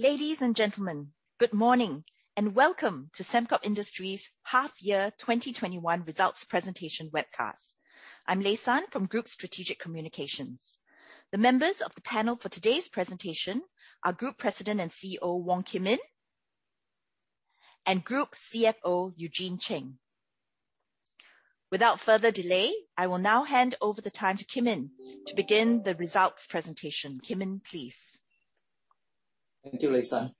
Ladies and gentlemen, good morning, welcome to Sembcorp Industries Half Year 2021 Results Presentation Webcast. I'm Lay San from Group Strategic Communications. The members of the panel for today's presentation are Group President and CEO, Wong Kim Yin, and Group CFO, Eugene Cheng. Without further delay, I will now hand over the time to Kim Yin to begin the results presentation. Kim Yin, please. Thank you, Lay San.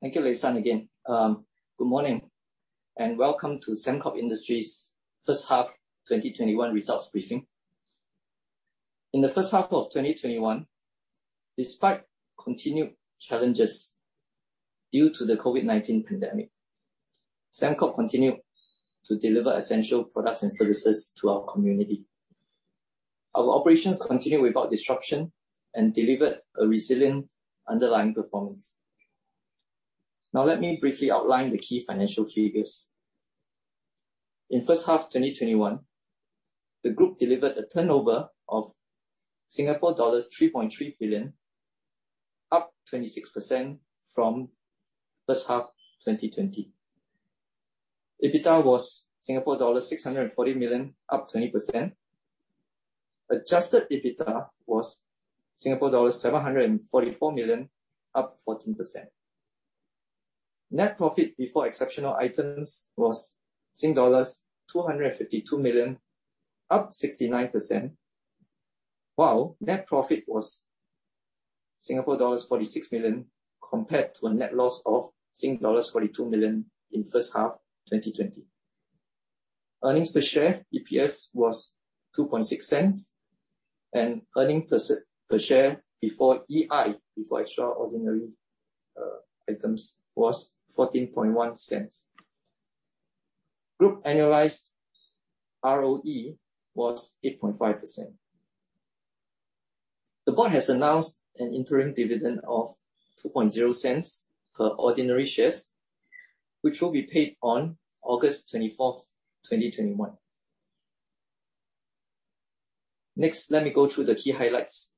Thank you, Lay San, again. Good morning, welcome to Sembcorp Industries' first half 2021 results briefing. In the first half of 2021, despite continued challenges due to the COVID-19 pandemic, Sembcorp continued to deliver essential products and services to our community. Our operations continued without disruption and delivered a resilient underlying performance. Now, let me briefly outline the key financial figures. In first half 2021, the group delivered a turnover of Singapore dollars 3.3 billion, up 26% from first half 2020. EBITDA was Singapore dollar 640 million, up 20%. Adjusted EBITDA was Singapore dollar 744 million, up 14%. Net profit before exceptional items was dollars 252 million, up 69%, while net profit was Singapore dollars 46 million compared to a net loss of Sing dollars 42 million in first half 2020. Earnings per share, EPS, was 0.026, and earnings per share before EI, before extraordinary items, was 0.141. Group annualized ROE was 8.5%. The board has announced an interim dividend of 0.02 per ordinary shares, which will be paid on August 24, 2021. Next, let me go through the key highlights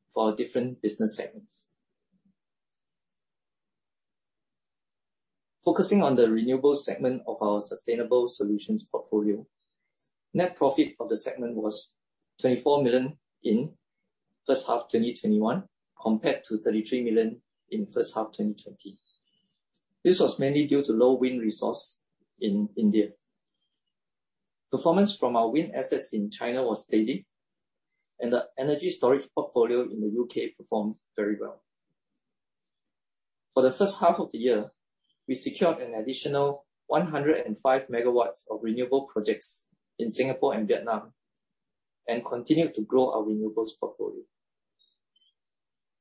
for our different business segments. Focusing on the renewable segment of our sustainable solutions portfolio, net profit of the segment was 24 million in first half 2021, compared to 33 million in first half 2020. This was mainly due to low wind resource in India. Performance from our wind assets in China was steady, and the energy storage portfolio in the U.K. performed very well. For the first half of the year, we secured an additional 105 MW of renewable projects in Singapore and Vietnam, and continued to grow our renewables portfolio.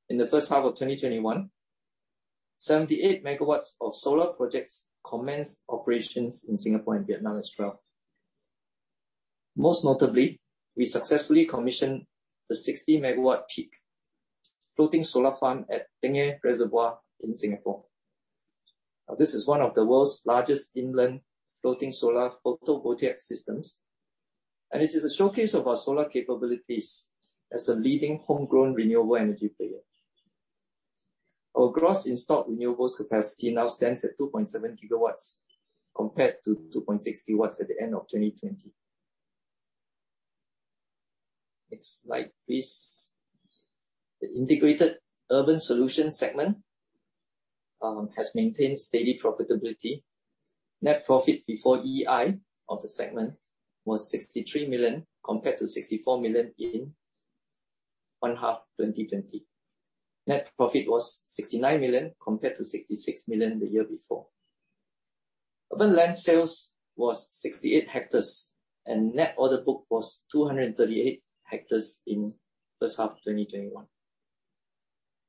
In the first half of 2021, 78 MW of solar projects commenced operations in Singapore and Vietnam as well. Most notably, we successfully commissioned the 60 MWp floating solar farm at Tengeh Reservoir in Singapore. This is one of the world's largest inland floating solar photovoltaic systems, and it is a showcase of our solar capabilities as a leading homegrown renewable energy player. Our gross installed renewables capacity now stands at 2.7 GW, compared to 2.6 GW at the end of 2020. Next slide, please. The integrated urban solution segment has maintained steady profitability. Net profit before EI of the segment was 63 million, compared to 64 million in one half 2020. Net profit was 69 million, compared to 66 million the year before. Urban land sales was 68 hectares, and net order book was 238 hectares in first half 2021.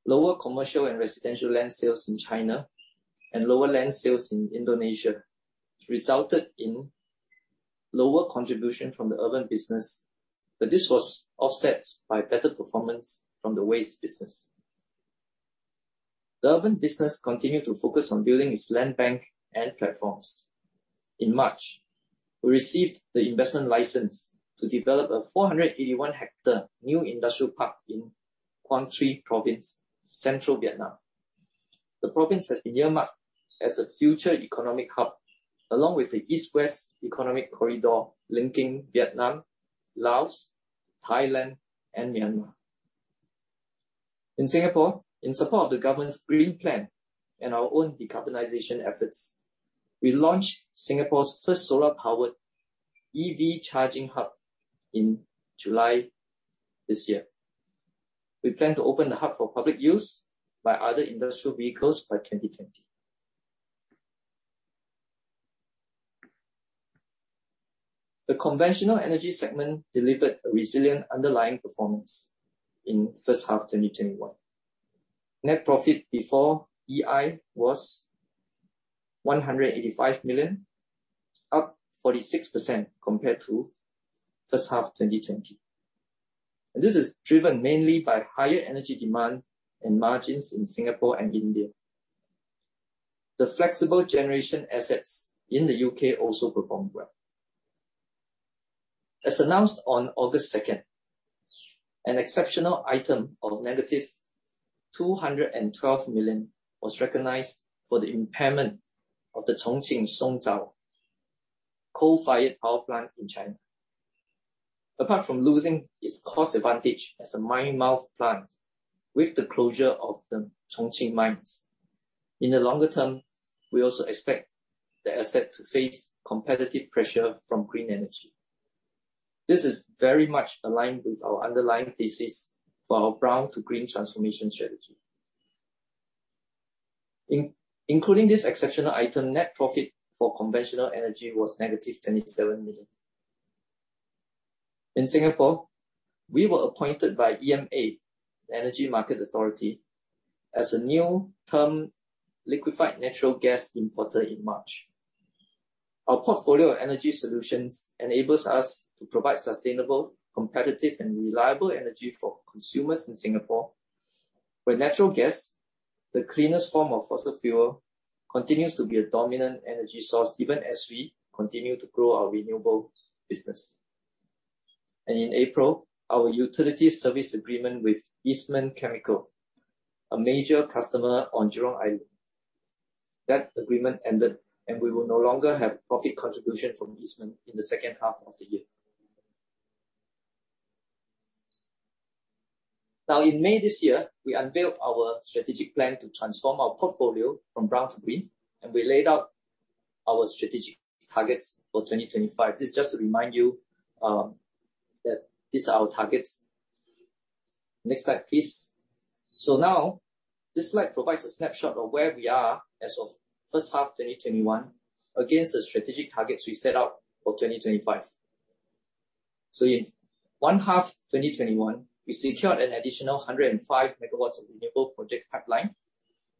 Lower commercial and residential land sales in China and lower land sales in Indonesia resulted in lower contribution from the urban business, but this was offset by better performance from the waste business. The urban business continued to focus on building its land bank and platforms. In March, we received the investment license to develop a 481 hectare new industrial park in Quang Tri Province, central Vietnam. The province has been earmarked as a future economic hub, along with the East-West Economic Corridor linking Vietnam, Laos, Thailand, and Myanmar. In Singapore, in support of the Singapore Green Plan and our own decarbonization efforts, we launched Singapore's first solar-powered EV charging hub in July this year. We plan to open the hub for public use by other industrial vehicles by 2020. The conventional energy segment delivered a resilient underlying performance in first half 2021. Net profit before EI was 185 million, up 46% compared to first half 2020. This is driven mainly by higher energy demand and margins in Singapore and India. The flexible generation assets in the U.K. also performed well. As announced on August 2nd, an exceptional item of negative 212 million was recognized for the impairment of the Chongqing Songzao coal-fired power plant in China. Apart from losing its cost advantage as a mine mouth plant with the closure of the Chongqing mines, in the longer term, we also expect the asset to face competitive pressure from green energy. This is very much aligned with our underlying thesis for our brown to green transformation strategy. Including this exceptional item, net profit for conventional energy was negative 27 million. In Singapore, we were appointed by EMA, the Energy Market Authority, as a new term liquefied natural gas importer in March. Our portfolio of energy solutions enables us to provide sustainable, competitive, and reliable energy for consumers in Singapore, where natural gas, the cleanest form of fossil fuel, continues to be a dominant energy source, even as we continue to grow our renewable business. In April, our utility service agreement with Eastman Chemical, a major customer on Jurong Island, that agreement ended, and we will no longer have profit contribution from Eastman in the second half of the year. In May this year, we unveiled our strategic plan to transform our portfolio from brown to green, and we laid out our strategic targets for 2025. This is just to remind you that these are our targets. Next slide, please. Now, this slide provides a snapshot of where we are as of first half 2021 against the strategic targets we set out for 2025. In 1/2 2021, we secured an additional 105 MW of renewable project pipeline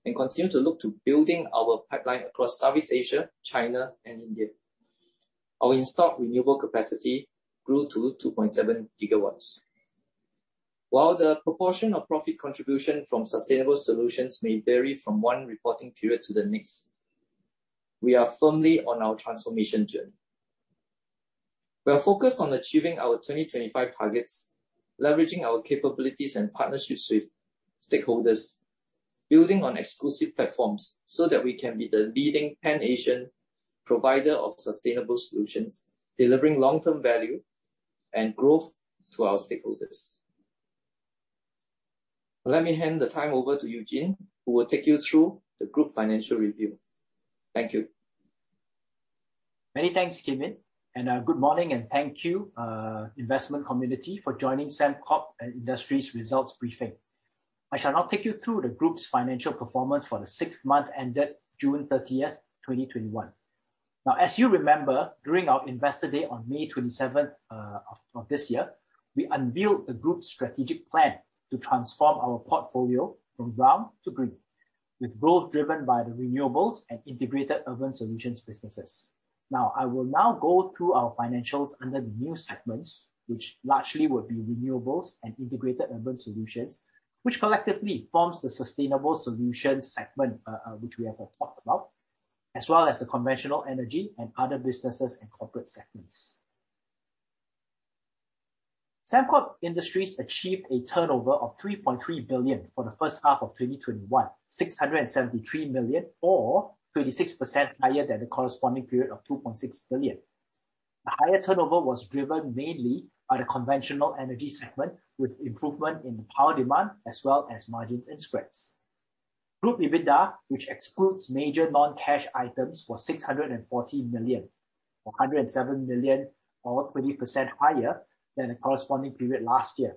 and continue to look to building our pipeline across Southeast Asia, China, and India. Our in-stock renewable capacity grew to 2.7 GW. While the proportion of profit contribution from sustainable solutions may vary from one reporting period to the next, we are firmly on our transformation journey. We are focused on achieving our 2025 targets, leveraging our capabilities and partnerships with stakeholders, building on exclusive platforms so that we can be the leading Pan-Asian provider of sustainable solutions, delivering long-term value and growth to our stakeholders. Let me hand the time over to Eugene, who will take you through the group financial review. Thank you. Many thanks, Kim Yin, good morning and thank you, investment community, for joining Sembcorp Industries results briefing. I shall now take you through the group's financial performance for the 6th month ended June 30, 2021. As you remember, during our Investor Day on May 27 of this year, we unveiled the group's strategic plan to transform our portfolio from brown to green, with growth driven by the renewables and Integrated Urban Solutions businesses. I will now go through our financials under the new segments, which largely will be renewables and Integrated Urban Solutions, which collectively forms the Sustainable Solutions segment, which we have talked about, as well as the Conventional Energy and Other Businesses and Corporate segments. Sembcorp Industries achieved a turnover of 3.3 billion for the first half of 2021, 673 million or 26% higher than the corresponding period of 2.6 billion. The higher turnover was driven mainly by the conventional energy segment, with improvement in the power demand as well as margins and spreads. Group EBITDA, which excludes major non-cash items, was 640 million, or 107 million, or 20% higher than the corresponding period last year.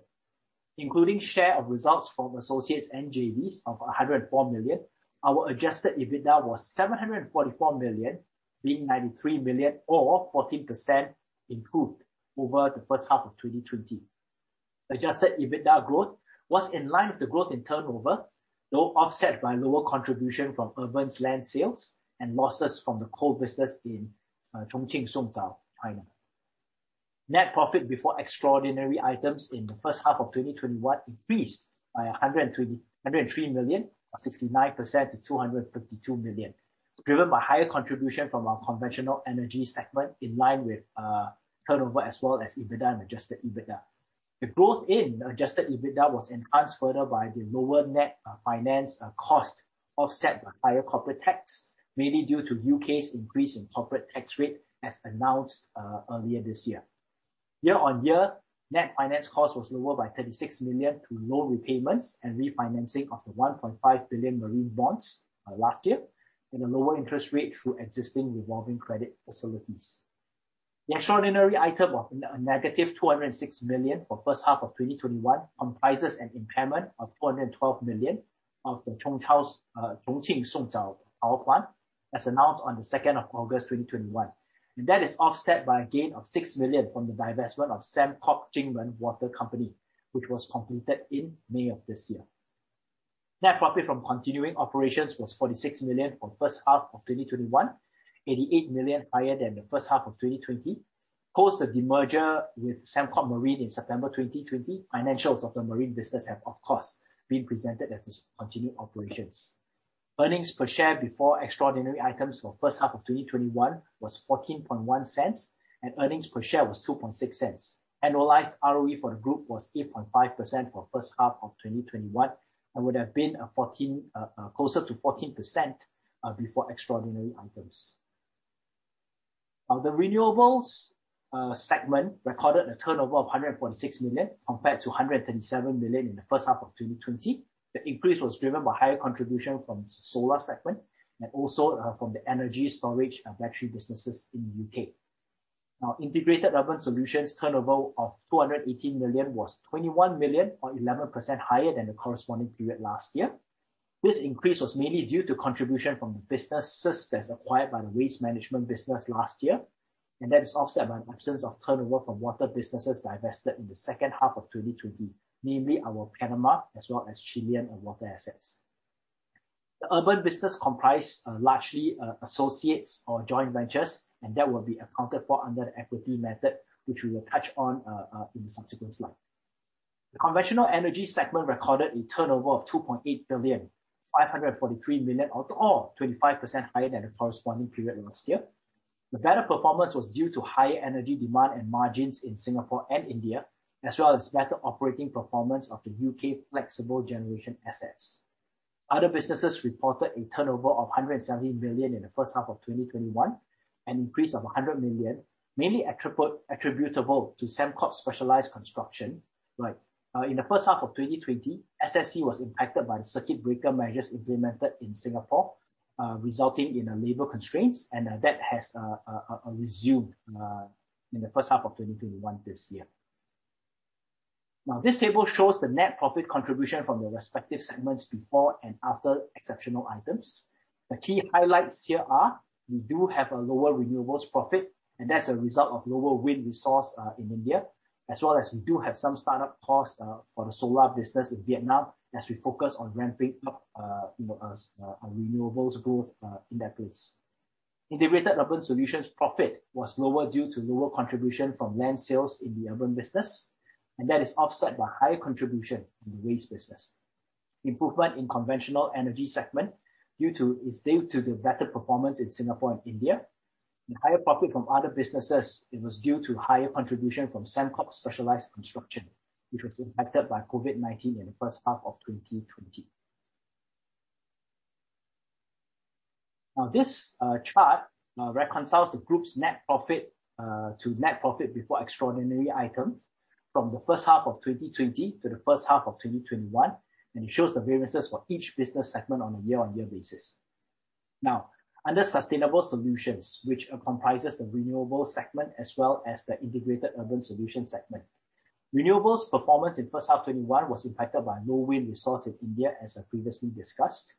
Including share of results from associates and JVs of 104 million, our adjusted EBITDA was 744 million, being 93 million or 14% improved over the first half of 2020. Adjusted EBITDA growth was in line with the growth in turnover, though offset by lower contribution from urban's land sales and losses from the coal business in Chongqing Songzao, China. Net profit before extraordinary items in the first half of 2021 increased by 103 million or 69% to 252 million, driven by higher contribution from our conventional energy segment in line with turnover as well as EBITDA and adjusted EBITDA. The growth in adjusted EBITDA was enhanced further by the lower net finance cost offset by higher corporate tax, mainly due to U.K.'s increase in corporate tax rate as announced earlier this year. Year-on-year, net finance cost was lower by 36 million through loan repayments and refinancing of the 1.5 billion marine bonds, last year, and a lower interest rate through existing revolving credit facilities. The extraordinary item of a negative 206 million for first half of 2021 comprises an impairment of 212 million of the Chongqing Songzao power plant as announced on the 2nd of August 2021. That is offset by a gain of 6 million from the divestment of Sembcorp Jingmen Water Co, which was completed in May of this year. Net profit from continuing operations was 46 million for first half of 2021, 88 million higher than the first half of 2020. Post the demerger with Sembcorp Marine in September 2020, financials of the marine business have, of course, been presented as discontinued operations. Earnings per share before extraordinary items for first half of 2021 was 0.141, earnings per share was 0.026. Annualized ROE for the group was 8.5% for first half of 2021, would have been closer to 14% before extraordinary items. The renewables segment recorded a turnover of 146 million compared to 137 million in the first half of 2020. The increase was driven by higher contribution from solar segment and also from the energy storage battery businesses in the U.K. Integrated urban solutions turnover of 218 million was 21 million or 11% higher than the corresponding period last year. This increase was mainly due to contribution from the businesses that is acquired by the waste management business last year, and that is offset by an absence of turnover from water businesses divested in the second half of 2020, namely our Panama as well as Chilean water assets. The urban business comprise largely associates or joint ventures, and that will be accounted for under the equity method, which we will touch on in the subsequent slide. The conventional energy segment recorded a turnover of 2.8 billion, 543 million or 25% higher than the corresponding period last year. The better performance was due to higher energy demand and margins in Singapore and India, as well as better operating performance of the U.K. flexible generation assets. Other businesses reported a turnover of 117 million in the first half of 2021, an increase of 100 million, mainly attributable to Sembcorp Specialised Construction. In the first half of 2020, SSC was impacted by the circuit breaker measures implemented in Singapore, resulting in labor constraints. That has resumed in the first half of 2021 this year. Now, this table shows the net profit contribution from the respective segments before and after exceptional items. The key highlights here are, we do have a lower renewables profit, and that's a result of lower wind resource in India, as well as we do have some start-up costs for the solar business in Vietnam as we focus on ramping up renewables growth in that place. Integrated Urban Solutions profit was lower due to lower contribution from land sales in the urban business, that is offset by higher contribution in the waste business. Improvement in conventional energy segment is due to the better performance in Singapore and India, and higher profit from other businesses, it was due to higher contribution from Sembcorp Specialised Construction, which was impacted by COVID-19 in the first half of 2020. This chart reconciles the group's net profit to net profit before extraordinary items from the first half of 2020 to the first half of 2021, and it shows the variances for each business segment on a year-on-year basis. Under Sustainable Solutions, which comprises the Renewables segment as well as the Integrated Urban Solution segment. Renewables performance in first half 2021 was impacted by low wind resource in India, as I previously discussed.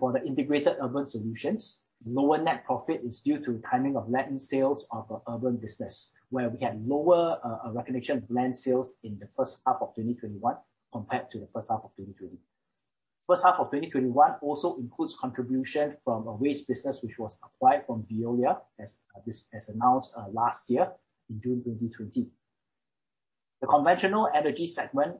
For the integrated urban solutions, lower net profit is due to timing of land sales of our urban business, where we had lower recognition of land sales in the first half of 2021 compared to the first half of 2020. First half of 2021 also includes contribution from a waste business, which was acquired from Veolia, as announced last year in June 2020. The conventional energy segment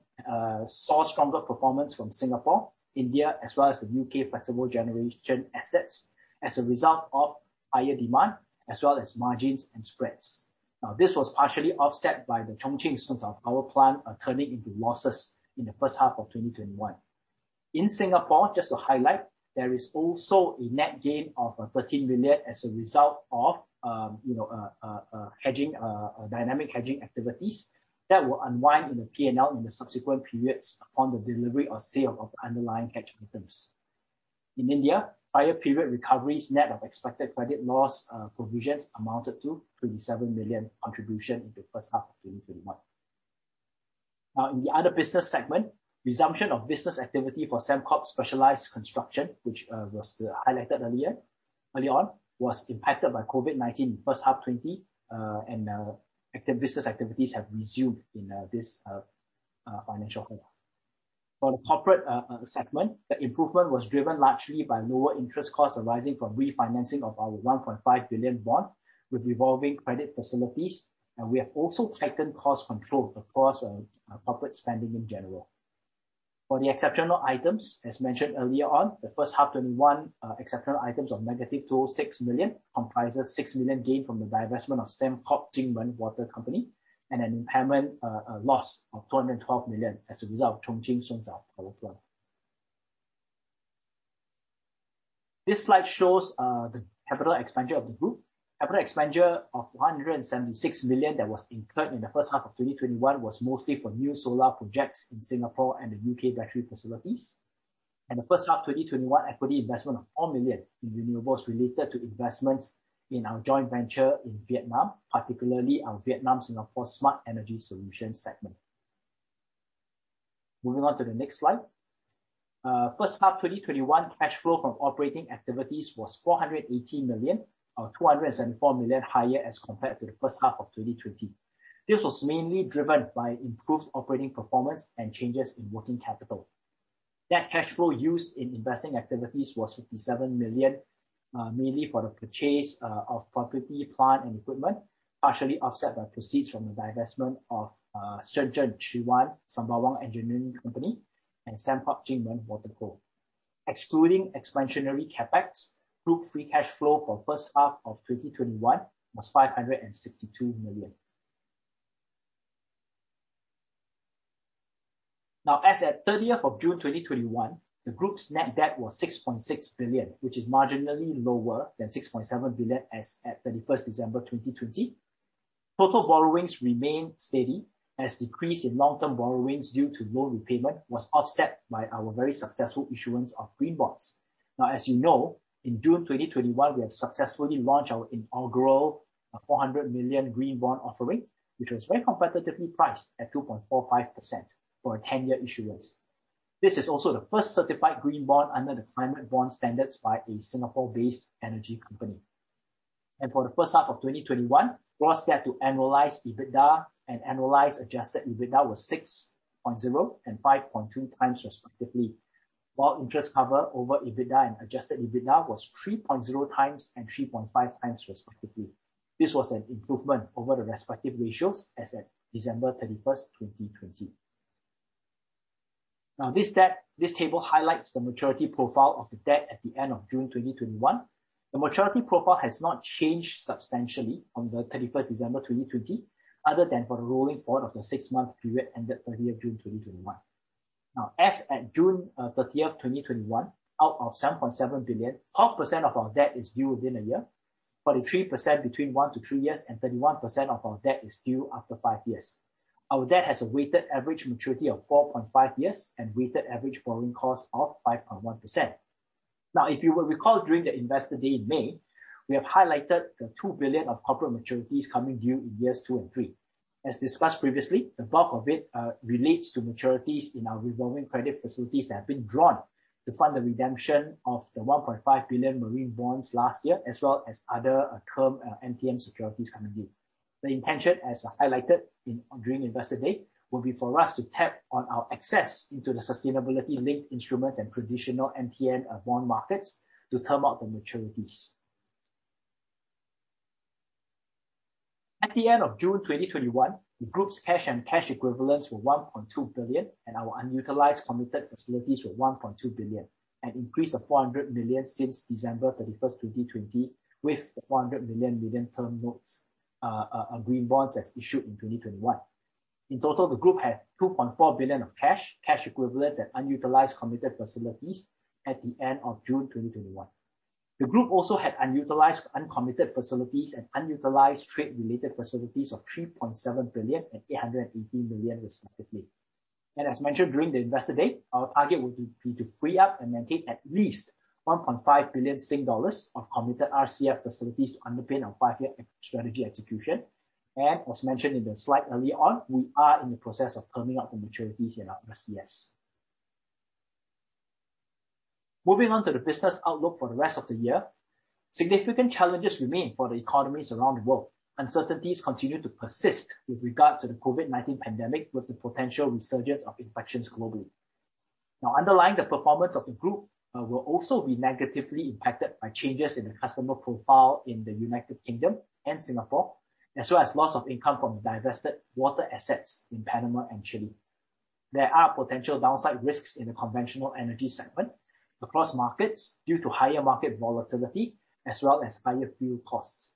saw stronger performance from Singapore, India, as well as the U.K. flexible generation assets as a result of higher demand as well as margins and spreads. This was partially offset by the Chongqing Songzao power plant turning into losses in the first half of 2021. In Singapore, just to highlight, there is also a net gain of 13 million as a result of dynamic hedging activities that will unwind in the P&L in the subsequent periods on the delivery or sale of the underlying hedge items. In India, prior period recoveries net of expected credit loss provisions amounted to 27 million contribution in the first half of 2021. In the other business segment, resumption of business activity for Sembcorp Specialised Construction, which was highlighted earlier on, was impacted by COVID-19 first half 2020, and business activities have resumed in this financial year. For the corporate segment, the improvement was driven largely by lower interest costs arising from refinancing of our 1.5 billion bond with revolving credit facilities, and we have also tightened cost control across corporate spending in general. For the exceptional items, as mentioned earlier on, the first half 2021 exceptional items of negative 206 million comprises 6 million gain from the divestment of Sembcorp Jingmen Water Co and an impairment loss of 212 million as a result of Chongqing Songzao power plant. This slide shows the capital expenditure of the group. Capital expenditure of 176 million that was incurred in the first half of 2021 was mostly for new solar projects in Singapore and the U.K. battery facilities. The first half 2021 equity investment of 4 million in renewables related to investments in our joint venture in Vietnam, particularly our Vietnam Singapore Smart Energy Solutions segment. Moving on to the next slide. First half 2021 cash flow from operating activities was 480 million, or 274 million higher as compared to the first half of 2020. This was mainly driven by improved operating performance and changes in working capital. Net cash flow used in investing activities was 57 million, mainly for the purchase of property, plant, and equipment, partially offset by proceeds from the divestment of Shenzhen Chiwan Sembawang Engineering Co and Sembcorp Jingmen Water Co. Excluding expansionary CapEx, group free cash flow for first half of 2021 was 562 million. As at 30th of June 2021, the group's net debt was 6.6 billion, which is marginally lower than 6.7 billion as at 31st December 2020. Total borrowings remained steady as decrease in long-term borrowings due to low repayment was offset by our very successful issuance of green bonds. As you know, in June 2021, we have successfully launched our inaugural 400 million green bond offering, which was very competitively priced at 2.45% for a 10-year issuance. This is also the first certified green bond under the climate bond standards by the Singapore-based energy company. For the first half of 2021, gross debt to annualized EBITDA and annualized adjusted EBITDA was 6.0x and 5.2x respectively. While interest cover over EBITDA and adjusted EBITDA was 3.0x and 3.5x respectively. This was an improvement over the respective ratios as at December 31st, 2020. This table highlights the maturity profile of the debt at the end of June 2021. The maturity profile has not changed substantially from the 31st December 2020, other than for the rolling forward of the six-month period ended 30th June 2021. As at June 30th, 2021, out of 7.7 billion, 12% of our debt is due within a year, 43% between one to three years, and 31% of our debt is due after five years. Our debt has a weighted average maturity of 4.5 years and weighted average borrowing cost of 5.1%. If you will recall, during the Investor Day in May, we have highlighted the 2 billion of corporate maturities coming due in years two and three. As discussed previously, the bulk of it relates to maturities in our revolving credit facilities that have been drawn to fund the redemption of the 1.5 billion marine bonds last year, as well as other term MTN securities coming due. The intention, as highlighted during Investor Day, will be for us to tap on our access into the sustainability-linked instruments and traditional MTN bond markets to term out the maturities. At the end of June 2021, the group's cash and cash equivalents were 1.2 billion, and our unutilized committed facilities were 1.2 billion, an increase of 400 million since December 31st, 2020, with the 400 million Medium Term Notes, green bonds as issued in 2021. In total, the group had 2.4 billion of cash equivalents, and unutilized committed facilities at the end of June 2021. The group also had unutilized uncommitted facilities and unutilized trade-related facilities of 3.7 billion and 818 million respectively. As mentioned during the Investor Day, our target would be to free up and maintain at least 1.5 billion Sing dollars of committed RCF facilities to underpin our five-year strategy execution. As mentioned in the slide early on, we are in the process of terming out the maturities in our RCFs. Moving on to the business outlook for the rest of the year. Significant challenges remain for the economies around the world. Uncertainties continue to persist with regard to the COVID-19 pandemic, with the potential resurgence of infections globally. Underlying the performance of the group will also be negatively impacted by changes in the customer profile in the United Kingdom and Singapore, as well as loss of income from divested water assets in Panama and Chile. There are potential downside risks in the conventional energy segment across markets due to higher market volatility as well as higher fuel costs.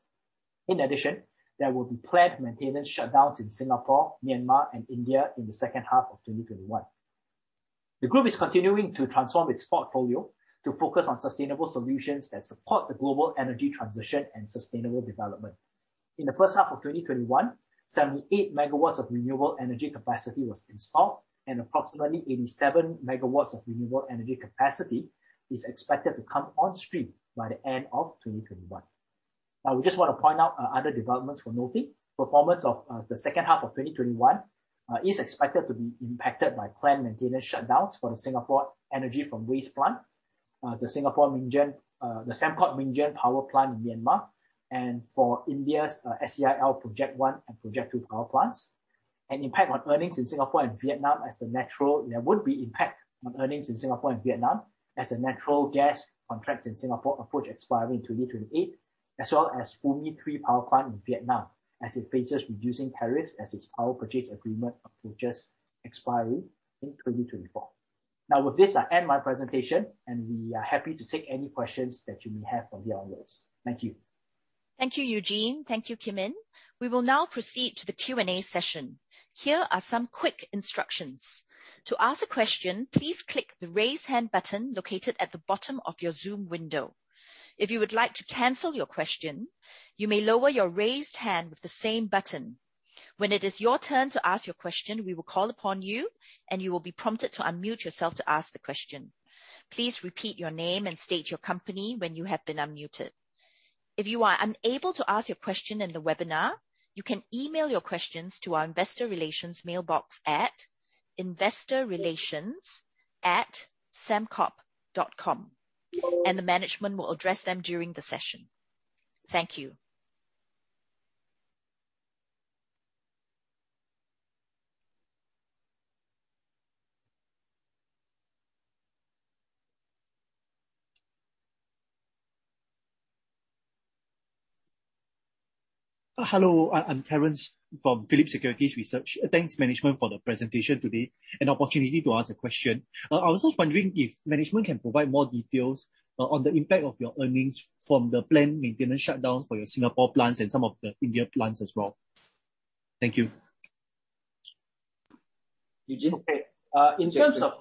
In addition, there will be planned maintenance shutdowns in Singapore, Myanmar, and India in the second half of 2021. The group is continuing to transform its portfolio to focus on sustainable solutions that support the global energy transition and sustainable development. In the first half of 2021, 78 MW of renewable energy capacity was installed, and approximately 87 MW of renewable energy capacity is expected to come on stream by the end of 2021. We just want to point out other developments for noting. Performance of the second half of 2021 is expected to be impacted by planned maintenance shutdowns for the Singapore Energy from Waste plant, the Sembcorp Myingyan Power Plant in Myanmar, and for India's SEIL Project 1 and Project 2 power plants. There would be impact on earnings in Singapore and Vietnam as the natural gas contracts in Singapore approach expiry in 2028, as well as Phu My 3 Power Plant in Vietnam, as it faces reducing tariffs as its power purchase agreement approaches expiry in 2024. With this, I end my presentation, and we are happy to take any questions that you may have from here onwards. Thank you. Thank you, Eugene. Thank you, Kim Yin. We will now proceed to the Q&A session. Here are some quick instructions. To ask a question, please click the Raise Hand button located at the bottom of your Zoom window. If you would like to cancel your question, you may lower your raised hand with the same button. When it is your turn to ask your question, we will call upon you, and you will be prompted to unmute yourself to ask the question. Please repeat your name and state your company when you have been unmuted. If you are unable to ask your question in the webinar, you can email your questions to our investor relation mailbox at inveinvestorrelations@sembcorp.com, and the management will address them during the session. Thank you. Hello, I'm Terence from Phillip Securities Research. Thanks management for the presentation today and opportunity to ask a question. I was just wondering if management can provide more details on the impact of your earnings from the planned maintenance shutdowns for your Singapore plants and some of the India plants as well. Thank you. Eugene? In terms of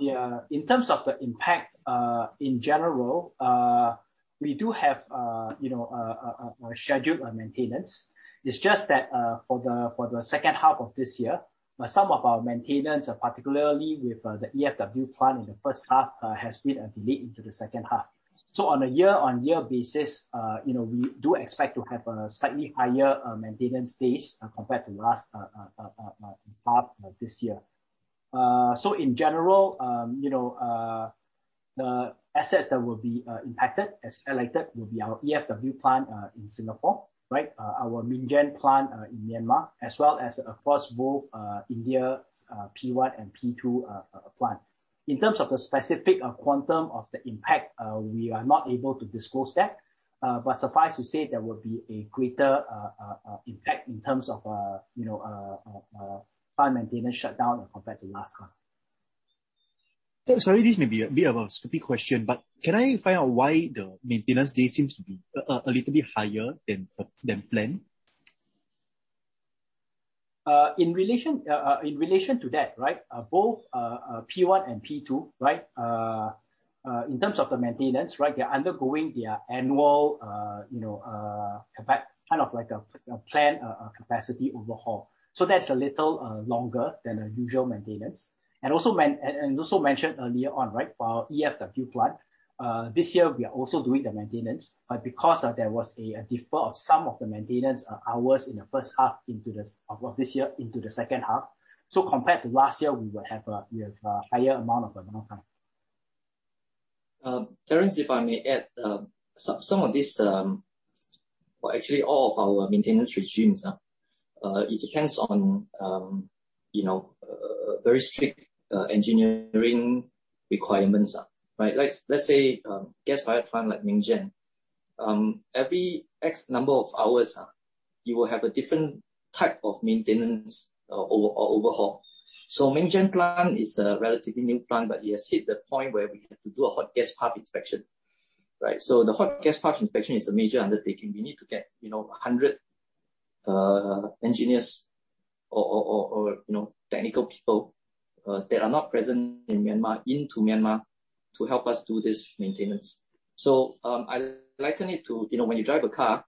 the impact, in general, we do have a scheduled maintenance. It's just that for the second half of this year, some of our maintenance, particularly with the EfW plant in the first half, has been delayed into the second half. On a year-on-year basis, we do expect to have a slightly higher maintenance days compared to last half of this year. In general, the assets that will be impacted, as highlighted, will be our EfW plan in Singapore. Our Myingyan plant in Myanmar, as well as across both India P1 and P2 plant. In terms of the specific quantum of the impact, we are not able to disclose that, but suffice to say, there will be a greater impact in terms of plant maintenance shutdown compared to last time. Sorry, this may be a bit of a stupid question, but can I find out why the maintenance days seems to be a little bit higher than planned? In relation to that, both P1 and P2, in terms of the maintenance, they're undergoing their annual, kind of like a planned capacity overhaul. That's a little longer than a usual maintenance. Also mentioned earlier on, for our EfW plant, this year, we are also doing the maintenance, but because there was a defer of some of the maintenance hours in the first half of this year into the second half. Compared to last year, we have a higher amount of downtime. Terence, if I may add, some of these, actually all of our maintenance regimes, it depends on very strict engineering requirements. Let's say gas-fired plant like Myingyan. Every X number of hours, you will have a different type of maintenance or overhaul. Myingyan plant is a relatively new plant, but it has hit the point where we have to do a hot gas path inspection. The hot gas path inspection is a major undertaking. We need to get 100 engineers or technical people that are not present in Myanmar into Myanmar to help us do this maintenance. I liken it to when you drive a car,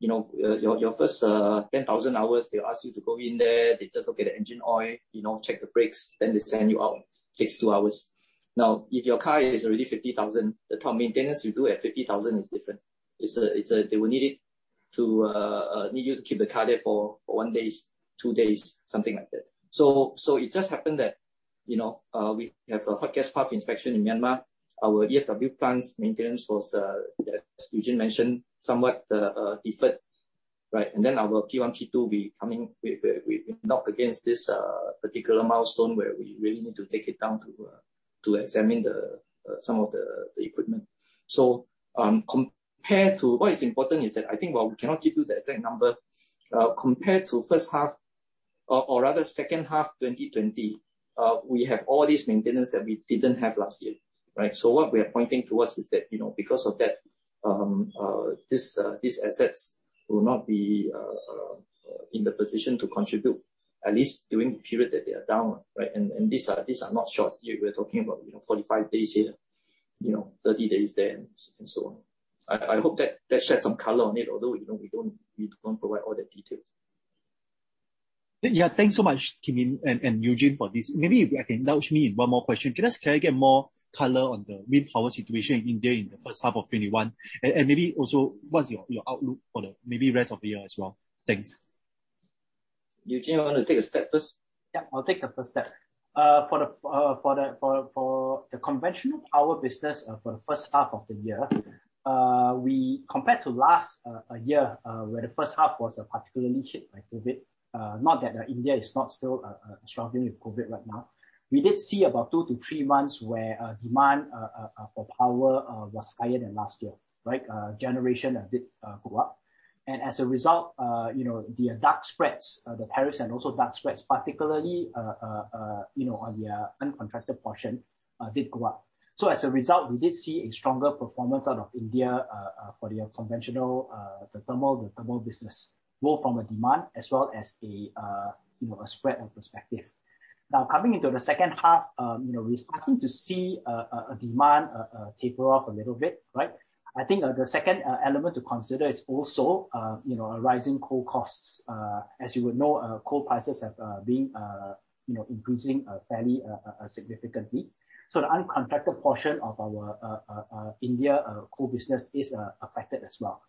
your first 10,000 hours, they ask you to go in there, they just look at the engine oil, check the brakes, then they send you out. Takes two hours. If your car is already 50,000, the type of maintenance you do at 50,000 is different. They will need you to keep the car there for one day, two days, something like that. It just happened that we have a hot gas path inspection in Myanmar. Our EfW plant's maintenance was, as Eugene mentioned, somewhat deferred. Our P1, P2, we knock against this particular milestone where we really need to take it down to examine some of the equipment. What is important is that I think while we cannot give you the exact number, compared to first half or rather second half 2020, we have all this maintenance that we didn't have last year. What we are pointing towards is that, because of that, these assets will not be in the position to contribute, at least during the period that they are down. These are not short. We're talking about 45 days here, 30 days there, and so on. I hope that sheds some color on it, although we don't provide all the details. Yeah. Thanks so much, Kim Yin and Eugene, for this. Maybe if I can nudge me in one more question. Can I get more color on the wind power situation in India in the first half of 2021? Maybe also, what's your outlook for the maybe rest of the year as well? Thanks. Eugene, you want to take a stab first? Yeah, I'll take the first stab. For the conventional power business for the first half of the year, compared to last year, where the first half was particularly hit by COVID, not that India is not still struggling with COVID right now, we did see about two to three months where demand for power was higher than last year. Generation did go up. As a result, the dark spreads, the tariffs and also dark spreads, particularly on the uncontracted portion, did go up. As a result, we did see a stronger performance out of India, for the conventional, the thermal business, both from a demand as well as a spread perspective. Now, coming into the second half, we're starting to see demand taper off a little bit. I think the second element to consider is also rising coal costs. As you would know, coal prices have been increasing fairly significantly. The uncontracted portion of our India coal business is affected as well.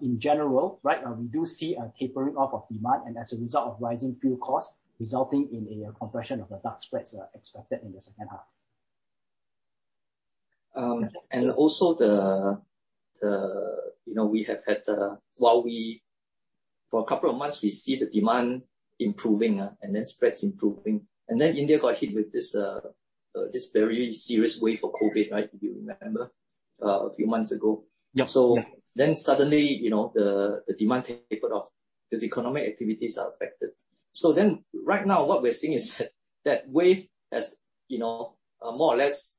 In general, we do see a tapering off of demand, and as a result of rising fuel costs, resulting in a compression of the dark spreads expected in the second half. Also, for a couple of months, we see the demand improving, and then spreads improving. India got hit with this very serious wave of COVID, if you remember, a few months ago. Yeah. Suddenly, the demand tapered off because economic activities are affected. Right now what we're seeing is that wave has more or less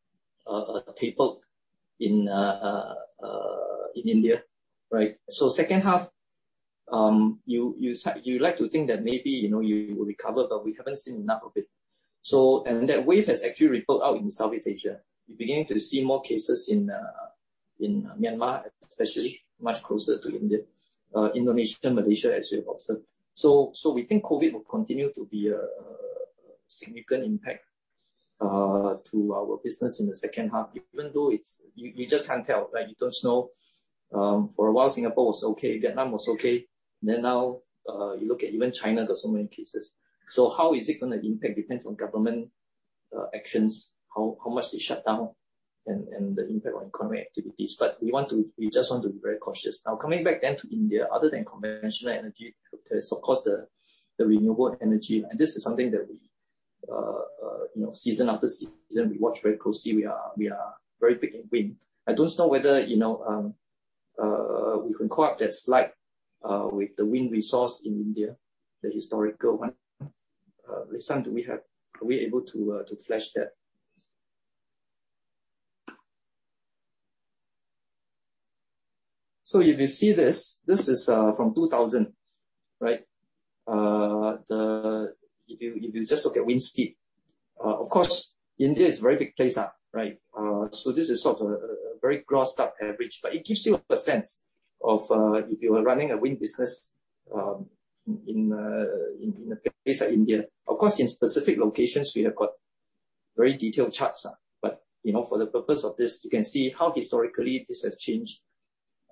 tapered in India, right? Second half, you like to think that maybe you will recover, but we haven't seen enough of it. That wave has actually rippled out in Southeast Asia. We're beginning to see more cases in Myanmar, especially, much closer to India, Indonesia, Malaysia, as you have observed. We think COVID will continue to be a significant impact to our business in the second half, even though you just can't tell. You don't know. For a while, Singapore was okay, Vietnam was okay, now you look at even China got so many cases. How is it going to impact? Depends on government actions, how much they shut down, and the impact on economic activities. We just want to be very cautious. Now, coming back then to India, other than conventional energy, there's of course the renewable energy. This is something that we, season after season, we watch very closely. We are very big in wind. I don't know whether, we can call up that slide with the wind resource in India, the historical one. Li San, are we able to flash that? If you see this is from 2000, right? If you just look at wind speed, of course, India is a very big place up, right? This is sort of a very grossed-up average, but it gives you a sense of if you are running a wind business in a place like India. Of course, in specific locations, we have got very detailed charts. For the purpose of this, you can see how historically this has changed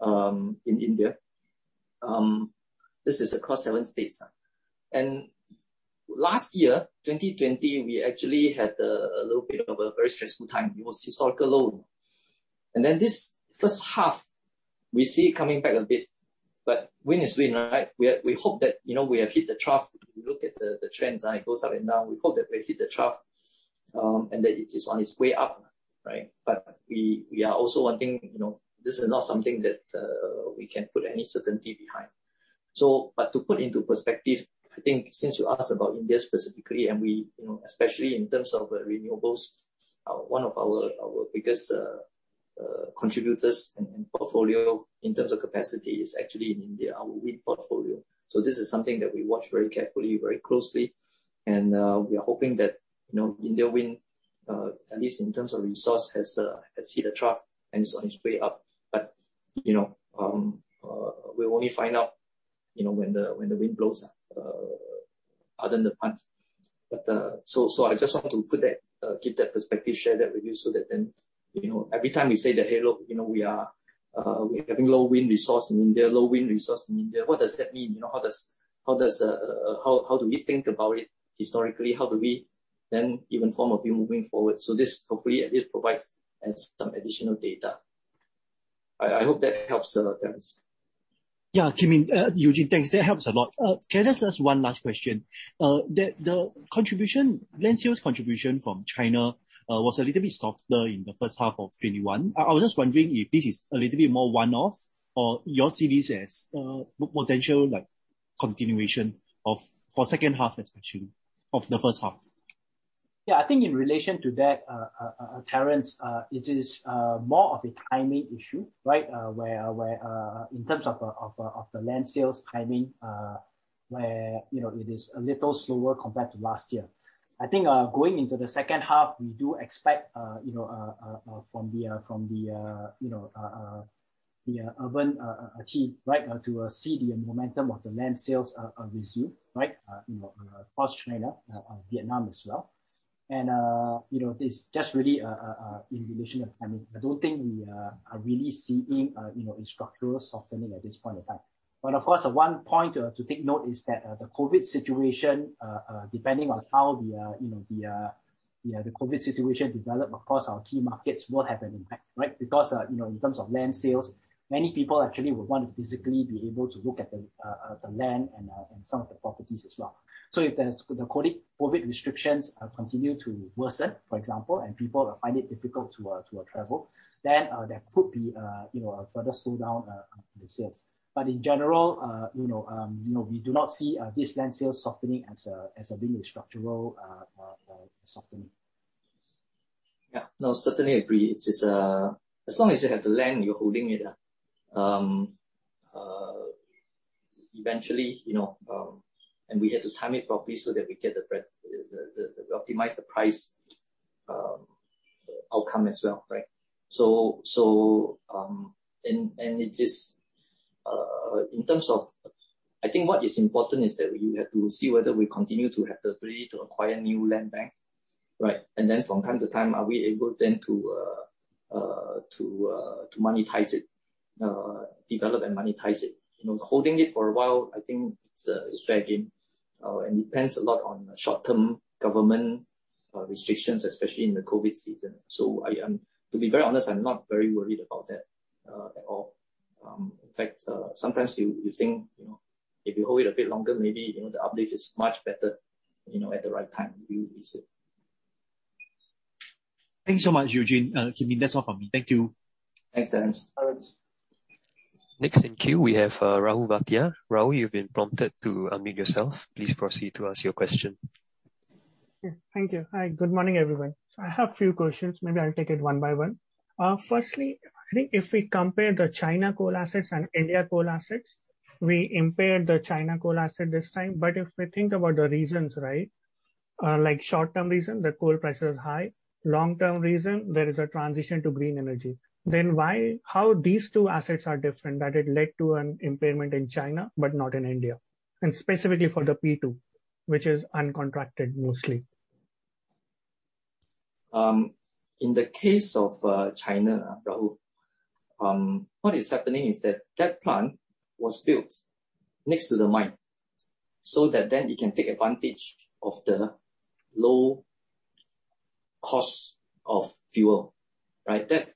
in India. This is across seven states. Last year, 2020, we actually had a little bit of a very stressful time. It was historical low. This first half, we see it coming back a bit, but wind is wind, right? We hope that we have hit the trough. If you look at the trends, it goes up and down. We hope that we hit the trough, and that it is on its way up, right? This is not something that we can put any certainty behind. To put into perspective, I think since you asked about India specifically, and especially in terms of renewables, one of our biggest contributors and portfolio in terms of capacity is actually in India, our wind portfolio. This is something that we watch very carefully, very closely, and we are hoping that India wind, at least in terms of resource, has hit a trough and is on its way up. We'll only find out when the wind blows other than the pun. I just want to give that perspective, share that with you so that then every time we say that, "Hey, look, we're having low wind resource in India. Low wind resource in India." What does that mean? How do we think about it historically? How do we then even form a view moving forward? This hopefully at least provides some additional data. I hope that helps, Terence. Yeah. Eugene, thanks. That helps a lot. Can I just ask one last question? The land sales contribution from China was a little bit softer in the first half of 2021. I was just wondering if this is a little bit more one-off or you all see this as potential continuation for second half especially of the first half. I think in relation to that, Terence, it is more of a timing issue, right? Where in terms of the land sales timing, where it is a little slower compared to last year. I think, going into the second half, we do expect from the urban achieve to see the momentum of the land sales resume across China, Vietnam as well. This just really in relation of timing, I don't think we are really seeing a structural softening at this point in time. Of course, one point to take note is that the COVID-19 situation, depending on how the COVID-19 situation develop across our key markets will have an impact. In terms of land sales, many people actually would want to physically be able to look at the land and some of the properties as well. If the COVID restrictions continue to worsen, for example, and people find it difficult to travel, then there could be a further slowdown on the sales. In general, we do not see this land sale softening as being a structural softening. Yeah. No, certainly agree. As long as you have the land, you're holding it. Eventually, we have to time it properly so that we optimize the price outcome as well, right? In terms of, I think what is important is that we have to see whether we continue to have the ability to acquire new land bank, right? From time to time, are we able then to monetize it? Develop and monetize it. Holding it for a while, I think it's fair game, and depends a lot on short-term government restrictions, especially in the COVID-19 season. To be very honest, I'm not very worried about that at all. In fact, sometimes you think, if you hold it a bit longer, maybe, the uplift is much better, at the right time, you will use it. Thanks so much, Eugene, Kim Yin. That's all from me. Thank you. Thanks, Terence. Next in queue, we have Rahul Bhatia. Yeah. Thank you. Hi, good morning, everyone. I have a few questions. Maybe I'll take it one by one. Firstly, I think if we compare the China coal assets and India coal assets, we impaired the China coal asset this time. If we think about the reasons, right? Like short-term reason, the coal price is high, long-term reason, there is a transition to green energy. How these two assets are different that it led to an impairment in China but not in India, and specifically for the P2, which is uncontracted mostly. In the case of China, Rahul, what is happening is that that plant was built next to the mine, so that it can take advantage of the low cost of fuel, right? That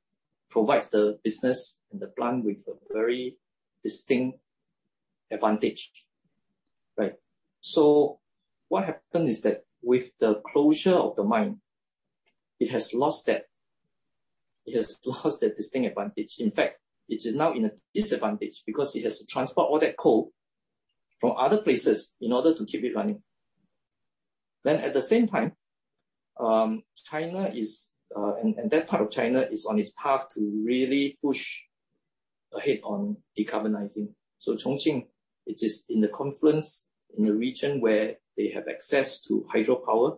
provides the business and the plant with a very distinct advantage. Right. What happened is that with the closure of the mine, it has lost that distinct advantage. In fact, it is now in a disadvantage because it has to transport all that coal from other places in order to keep it running. At the same time, that part of China is on its path to really push ahead on decarbonizing. Chongqing, it is in the confluence, in a region where they have access to hydropower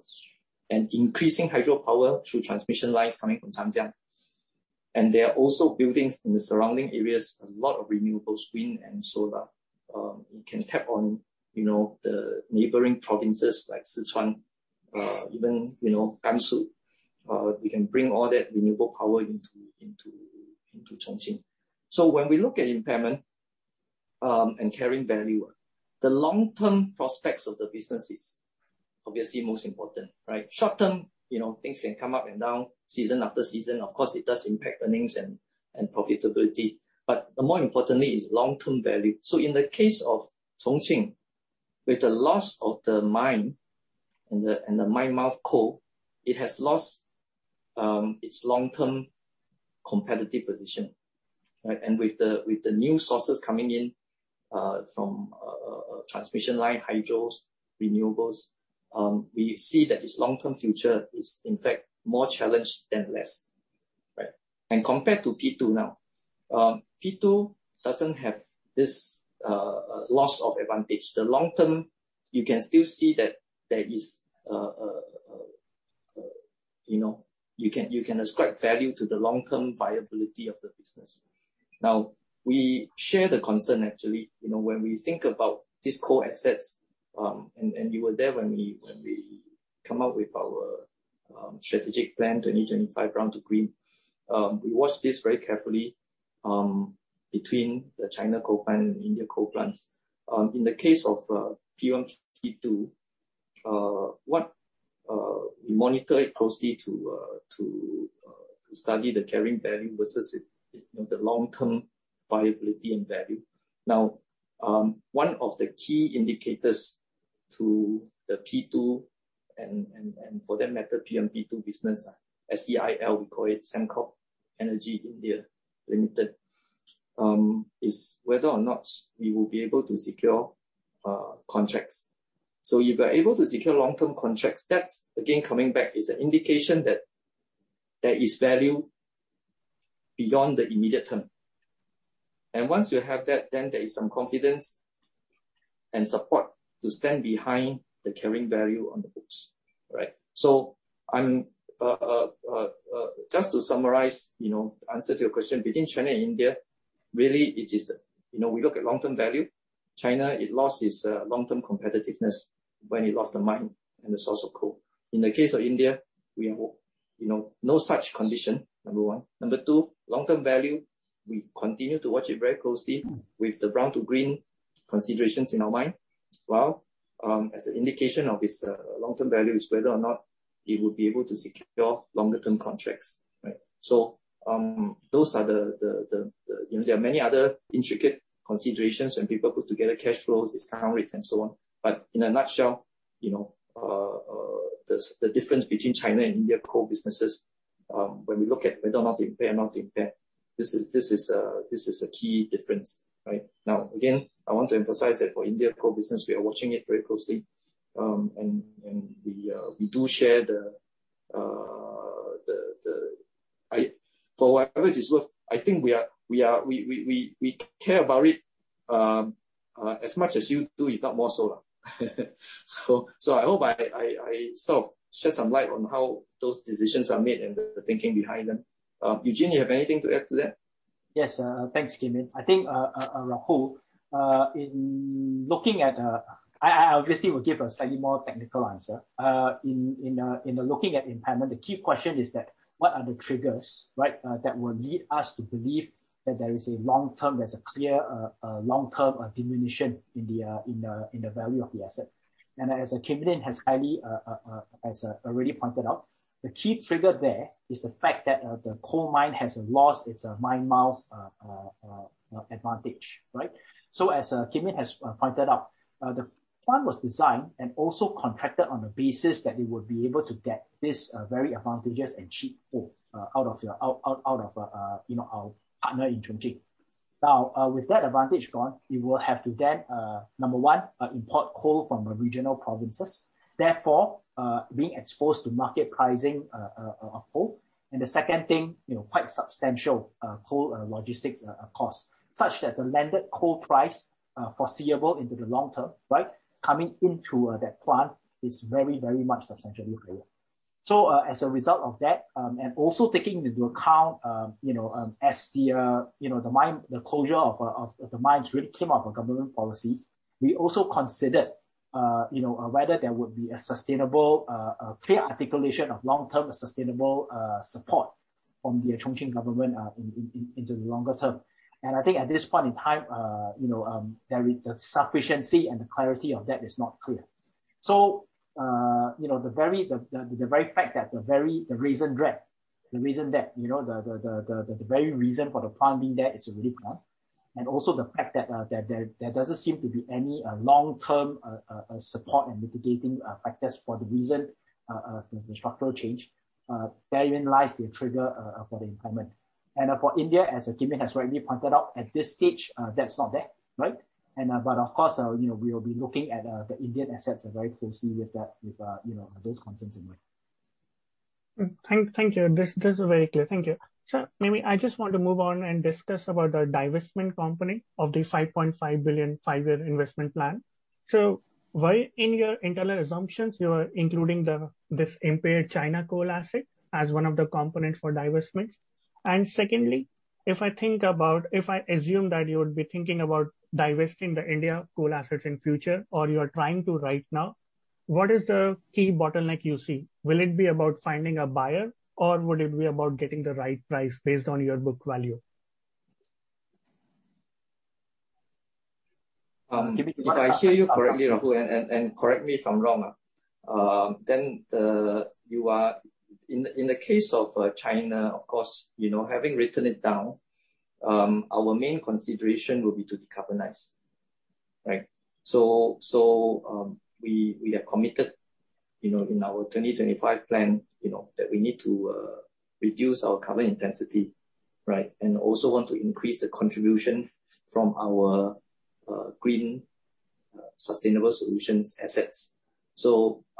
and increasing hydropower through transmission lines coming from Zhangjiajie. They are also building in the surrounding areas a lot of renewables, wind and solar. It can tap on the neighboring provinces like Sichuan, even Gansu. We can bring all that renewable power into Chongqing. When we look at impairment, and carrying value, the long-term prospects of the business is obviously most important, right? Short-term, things can come up and down season after season. Of course, it does impact earnings and profitability. More importantly is long-term value. In the case of Chongqing, with the loss of the mine and the mine mouth coal, it has lost its long-term competitive position, right? With the new sources coming in from transmission line hydros, renewables, we see that its long-term future is in fact more challenged than less. Right. Compared to P2 now. P2 doesn't have this loss of advantage. The long term, you can still see that there is, you can ascribe value to the long-term viability of the business. We share the concern, actually. When we think about these core assets, and you were there when we come out with our strategic plan, 2025 Brown to Green. We watched this very carefully between the China coal plant and India coal plants. In the case of P1, P2, what we monitor it closely to study the carrying value versus the long-term viability and value. One of the key indicators to the P2 and for that matter, PM P2 business, SEIL, we call it Sembcorp Energy India Limited, is whether or not we will be able to secure contracts. If we're able to secure long-term contracts, that's again, coming back, is an indication that there is value beyond the immediate term. Once you have that, there is some confidence and support to stand behind the carrying value on the books. Right. Just to summarize, answer to your question, between China and India, really it is, we look at long-term value. China, it lost its long-term competitiveness when it lost the mine and the source of coal. In the case of India, we have no such condition, number one. Number two, long-term value, we continue to watch it very closely with the brown to green considerations in our mind, while, as an indication of its long-term value is whether or not it would be able to secure longer-term contracts. Right. There are many other intricate considerations when people put together cash flows, discount rates, and so on. In a nutshell, the difference between China and India coal businesses, when we look at whether or not to impair, not to impair, this is a key difference. Right? Again, I want to emphasize that for India coal business, we are watching it very closely. We do share, for whatever it is worth, I think we care about it as much as you do, if not more so. I hope I sort of shed some light on how those decisions are made and the thinking behind them. Eugene, you have anything to add to that? Yes. Thanks, Kim Yin. I think, Rahul, in looking at, I obviously will give a slightly more technical answer. In looking at impairment, the key question is what are the triggers that will lead us to believe that there is a clear, long-term diminution in the value of the asset? As Kim Yin has already pointed out, the key trigger there is the fact that the coal mine has lost its mine mouth advantage. As Kim Yin has pointed out, the plant was designed and also contracted on the basis that it would be able to get this very advantageous and cheap coal out of our partner in Chongqing. With that advantage gone, it will have to then, number one, import coal from the regional provinces, therefore being exposed to market pricing of coal. The second thing, quite substantial coal logistics costs, such that the landed coal price foreseeable into the long term, coming into that plant is very much substantially lower. As a result of that, and also taking into account, as the closure of the mines really came out of government policies. We also considered whether there would be a clear articulation of long-term sustainable support from the Chongqing government into the longer term. I think at this point in time, the sufficiency and the clarity of that is not clear. The very fact that the very reason for the plant being there is really gone, and also the fact that there doesn't seem to be any long-term support and mitigating factors for the reason, the structural change, therein lies the trigger for the impairment. For India, as Kim Yin has already pointed out, at this stage, that's not there. Of course, we will be looking at the Indian assets very closely with those concerns in mind. Thank you. This is very clear. Thank you. Maybe I just want to move on and discuss about the divestment company of the 5.5 billion, five-year investment plan. Why in your internal assumptions, you are including this impaired China coal asset as one of the components for divestment? Secondly, if I assume that you would be thinking about divesting the India coal assets in future or you are trying to right now, what is the key bottleneck you see? Will it be about finding a buyer, or would it be about getting the right price based on your book value? If I hear you correctly, Rahul, and correct me if I'm wrong. In the case of China, of course, having written it down, our main consideration will be to decarbonize. We are committed in our 2025 plan, that we need to reduce our carbon intensity. Also want to increase the contribution from our green sustainable solutions assets.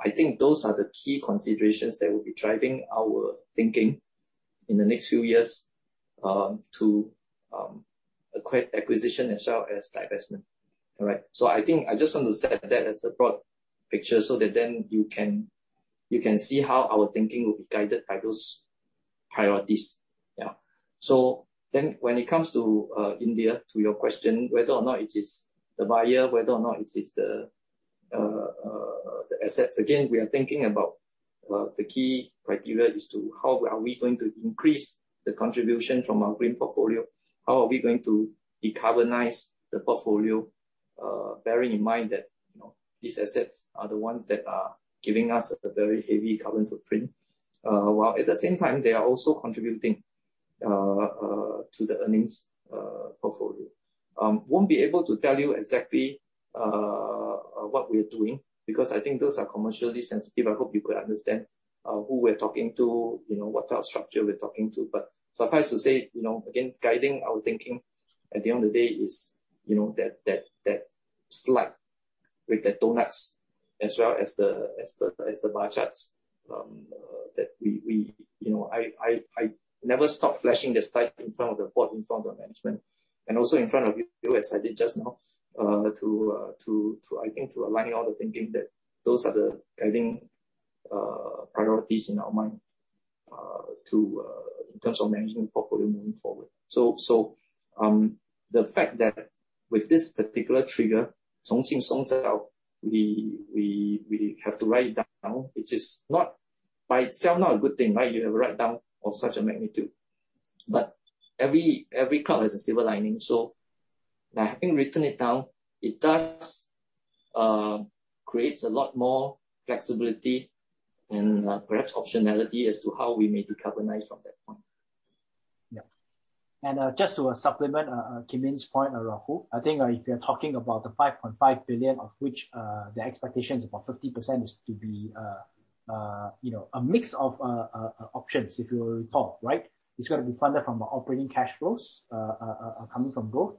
I think those are the key considerations that will be driving our thinking in the next few years, to acquisition as well as divestment. All right. I just want to set that as the broad picture so that then you can see how our thinking will be guided by those priorities. Yeah. When it comes to India, to your question, whether or not it is the buyer, whether or not it is the assets, again, we are thinking about the key criteria is how are we going to increase the contribution from our green portfolio. How are we going to decarbonize the portfolio, bearing in mind that these assets are the ones that are giving us a very heavy carbon footprint, while at the same time they are also contributing to the earnings portfolio. Won't be able to tell you exactly what we're doing, because I think those are commercially sensitive. I hope you could understand who we're talking to, what type of structure we're talking to. Suffice to say, again, guiding our thinking at the end of the day is that slide with the donuts as well as the bar charts. I never stop flashing the slide in front of the board, in front of management, and also in front of you as I did just now, I think to align all the thinking that those are the driving priorities in our mind in terms of managing the portfolio moving forward. The fact that with this particular trigger, Chongqing Songzao, we have to write it down, which is by itself not a good thing. You have a write-down of such a magnitude. Every cloud has a silver lining. By having written it down, it does create a lot more flexibility and perhaps optionality as to how we may decarbonize from that point. Yeah. Just to supplement Kim Yin's point, Rahul, I think if you're talking about the 5.5 billion, of which the expectation is about 50% is to be a mix of options, if you will recall. It's going to be funded from the operating cash flows coming from growth,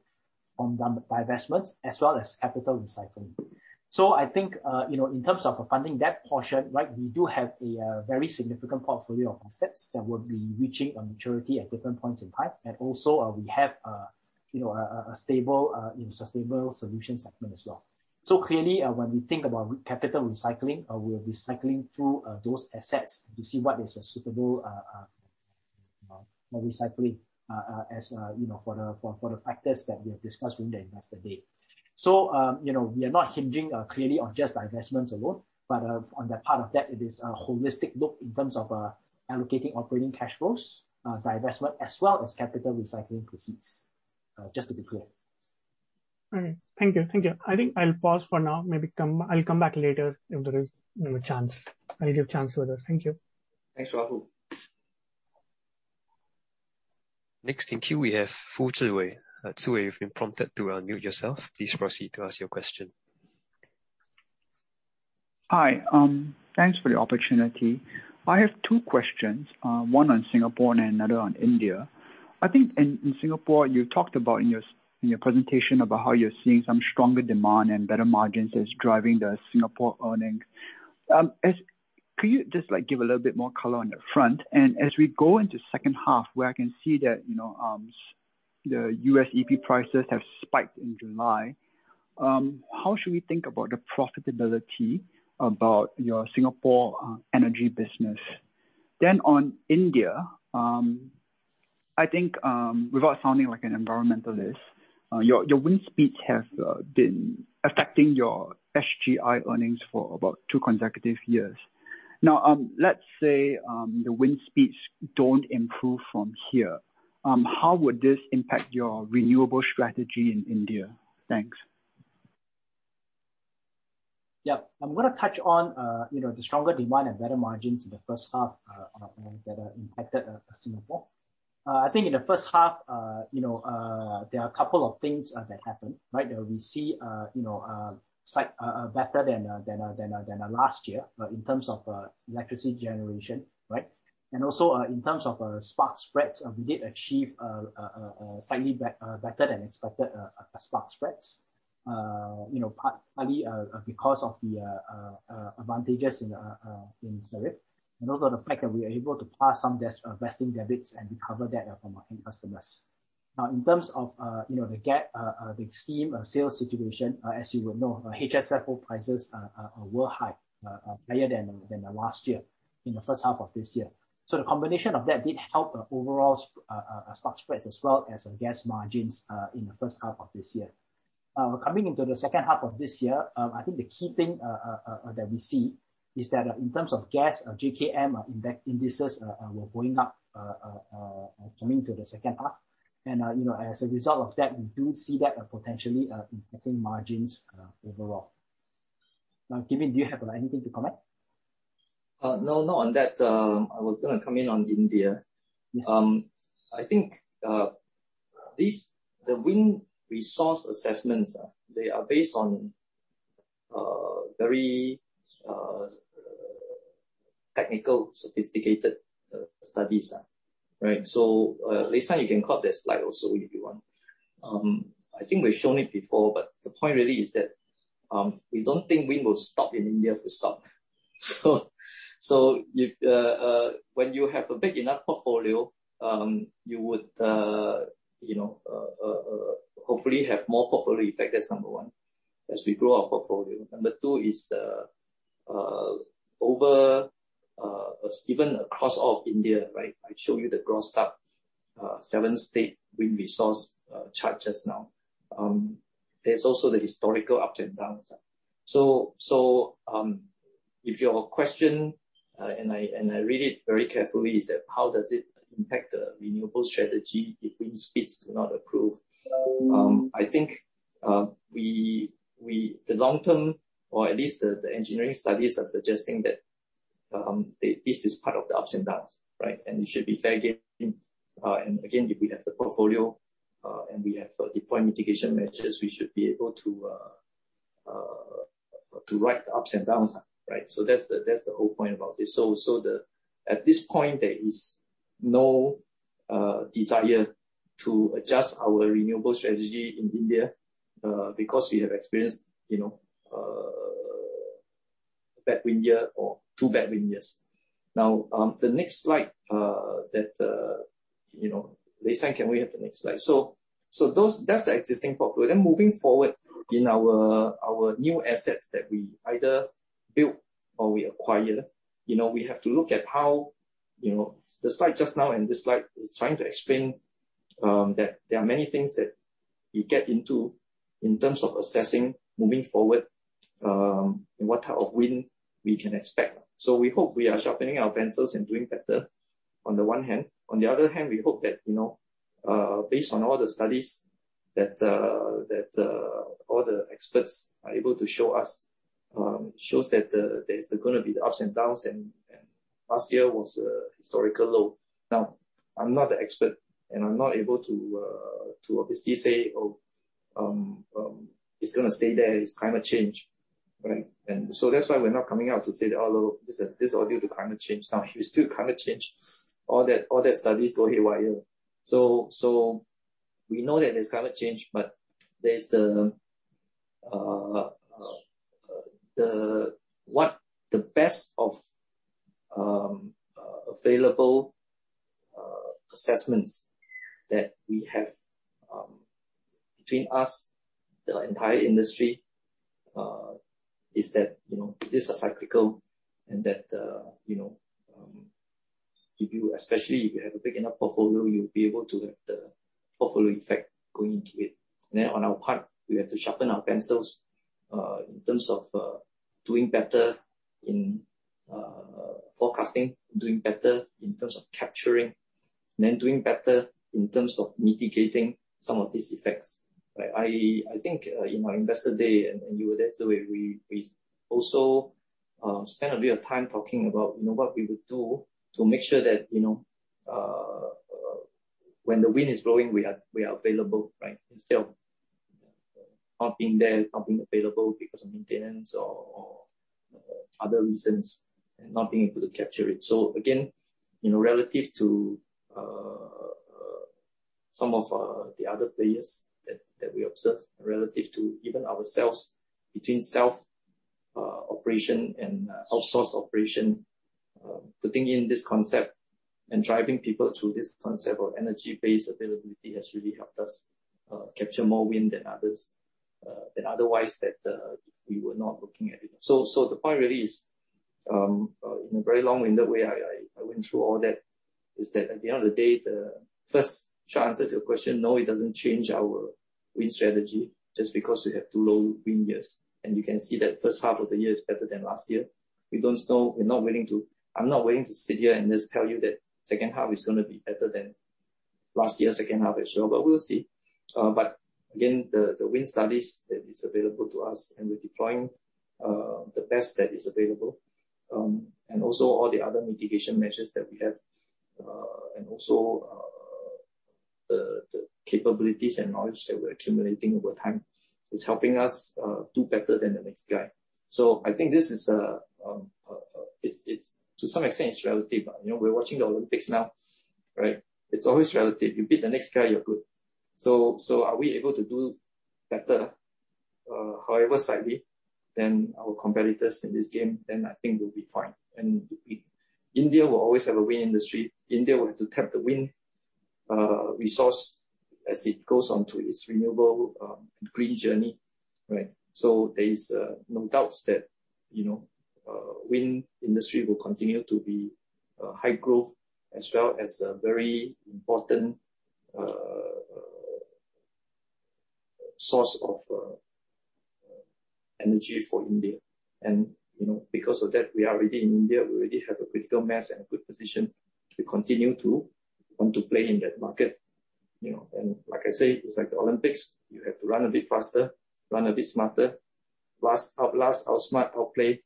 from divestments, as well as capital recycling. I think, in terms of funding that portion, we do have a very significant portfolio of assets that will be reaching maturity at different points in time. Also, we have a stable solution segment as well. Clearly, when we think about capital recycling, we'll be cycling through those assets to see what is a suitable for recycling, for the factors that we have discussed during the investor day. We are not hinging clearly on just divestments alone, but on that part of that, it is a holistic look in terms of allocating operating cash flows, divestment, as well as capital recycling proceeds. Just to be clear. All right. Thank you. I think I'll pause for now. Maybe I'll come back later if there is a chance. I'll give chance to others. Thank you. Thanks, Rahul. Hi. Thanks for the opportunity. I have two questions, one on Singapore and another on India. I think in Singapore, you talked about in your presentation about how you're seeing some stronger demand and better margins as driving the Singapore earning. Could you just give a little bit more color on that front? As we go into second half where I can see that the USEP prices have spiked in July, how should we think about the profitability about your Singapore energy business? On India, I think, without sounding like an environmentalist, your wind speeds have been affecting your SGI earnings for about two consecutive years. Now, let's say the wind speeds don't improve from here. How would this impact your renewable strategy in India? Thanks. I'm going to touch on the stronger demand and better margins in the first half that impacted Singapore. I think in the first half, there are a couple of things that happened, right? That we see a slight better than last year in terms of electricity generation, right? In terms of spark spreads, we did achieve slightly better than expected spark spreads. Partly because of the advantages in tariff and also the fact that we are able to pass some of that Vesting Contract Debits and recover that from our end customers. In terms of the gas, the scheme, sales situation, as you would know, HSFO prices were high, higher than last year in the first half of this year. The combination of that did help the overall spark spreads as well as gas margins in the first half of this year. Coming into the second half of this year, I think the key thing that we see is that in terms of gas, JKM indices were going up coming into the second half. As a result of that, we do see that potentially impacting margins overall. Now, Kim Yin, do you have anything to comment? No, not on that. I was going to come in on India. Yes. I think the wind resource assessments, they are based on very technical, sophisticated studies. Right. Lay San, you can put up the slide also if you want. I think we've shown it before, but the point really is that we don't think wind will stop in India if we start. When you have a big enough portfolio, you would hopefully have more portfolio effect. That's number one, as we grow our portfolio. Number two is even across all of India, right? I showed you the gross top seven-state wind resource chart just now. There's also the historical ups and downs. If your question, and I read it very carefully, is that how does it impact the renewable strategy if wind speeds do not improve? I think the long term, or at least the engineering studies are suggesting that this is part of the ups and downs, right? It should be very given. Again, if we have the portfolio, and we have deployed mitigation measures, we should be able to ride the ups and downs. Right? That's the whole point about this. At this point, there is no desire to adjust our renewable strategy in India, because we have experienced a bad wind year or two bad wind years. Now, the next slide. Li San, can we have the next slide? Those, that's the existing portfolio. Moving forward in our new assets that we either build or we acquire, we have to look at the slide just now and this slide is trying to explain that there are many things that we get into in terms of assessing moving forward, and what type of wind we can expect. We hope we are sharpening our pencils and doing better on the one hand. On the other hand, we hope that based on all the studies that all the experts are able to show us, shows that there's going to be the ups and downs, and last year was a historical low. I'm not the expert, and I'm not able to obviously say, "Oh, it's going to stay there. It's climate change." Right. That's why we're not coming out to say that, "Oh, look, this is all due to climate change." If it's due to climate change, all that studies go haywire. We know that it's climate change, but there's the best of available assessments that we have, between us, the entire industry, is that this is cyclical and that if you, especially if you have a big enough portfolio, you'll be able to have the portfolio effect going into it. On our part, we have to sharpen our pencils, in terms of doing better in forecasting, doing better in terms of capturing, and then doing better in terms of mitigating some of these effects, right? I think in our investor day, and you were there, Zhiwei, we also spent a bit of time talking about what we would do to make sure that when the wind is blowing, we are available, instead of not being there, not being available because of maintenance or other reasons and not being able to capture it. Again, relative to some of the other players that we observe, relative to even ourselves, between self-operation and outsource operation, putting in this concept and driving people through this concept of energy-based availability has really helped us capture more wind than otherwise that if we were not looking at it. The point really is, in a very long-winded way, I went through all that, is that at the end of the day, the first short answer to your question, no, it doesn't change our wind strategy just because we have two low wind years. You can see that first half of the year is better than last year. I'm not willing to sit here and just tell you that second half is going to be better than last year second half for sure, but we'll see. Again, the wind studies, that is available to us, and we are deploying the best that is available. Also all the other mitigation measures that we have, and also the capabilities and knowledge that we are accumulating over time is helping us do better than the next guy. I think to some extent, it is relative. We are watching the Olympics now, right? It is always relative. You beat the next guy, you are good. Are we able to do better, however slightly, than our competitors in this game, then I think we will be fine. India will always have a wind industry. India will have to tap the wind resource as it goes on to its renewable, green journey, right? There is no doubts that wind industry will continue to be high growth as well as a very important source of energy for India. Because of that, we are already in India. We already have a critical mass and a good position to continue to want to play in that market. Like I say, it's like the Olympics. You have to run a bit faster, run a bit smarter, outlast, outsmart, outplay.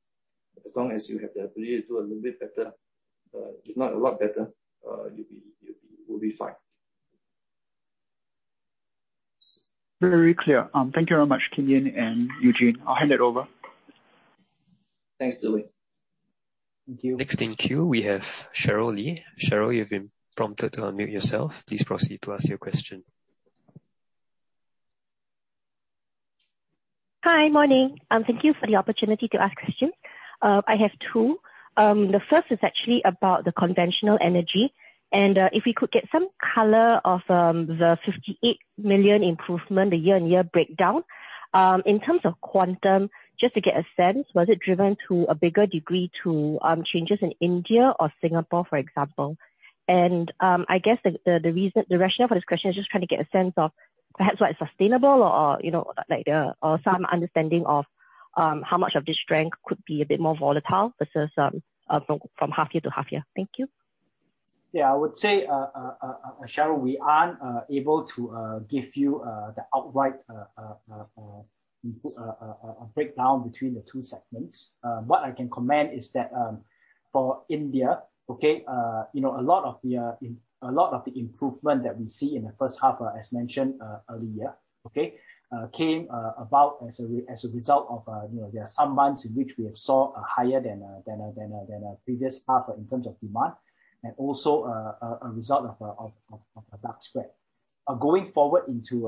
As long as you have the ability to do a little bit better, if not a lot better, we'll be fine. Very clear. Thank you very much, Kim Yin and Eugene. I'll hand it over. Thanks, Zhiwei. Thank you. Next in queue, we have Cheryl Lee. Cheryl, you've been prompted to unmute yourself. Please proceed to ask your question. Hi. Morning. Thank you for the opportunity to ask questions. I have two. The first is actually about the conventional energy, and if we could get some color of the 58 million improvement, the year-on-year breakdown. In terms of quantum, just to get a sense, was it driven to a bigger degree to changes in India or Singapore, for example? I guess the rationale for this question is just trying to get a sense of perhaps what is sustainable or some understanding of how much of this strength could be a bit more volatile versus from half year to half year. Thank you. Yeah. I would say, Cheryl, we aren't able to give you the outright breakdown between the two segments. What I can comment is that, for India, okay, a lot of the improvement that we see in the first half, as mentioned earlier, okay, came about as a result of there are some months in which we have saw higher than previous half in terms of demand and also a result of a dark spread. Going forward into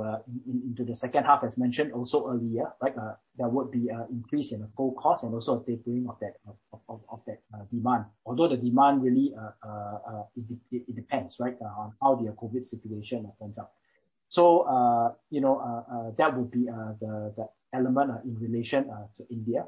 the second half, as mentioned also earlier, there would be an increase in the coal cost and also a tapering of that demand. The demand really, it depends on how the COVID situation turns out. That would be the element in relation to India.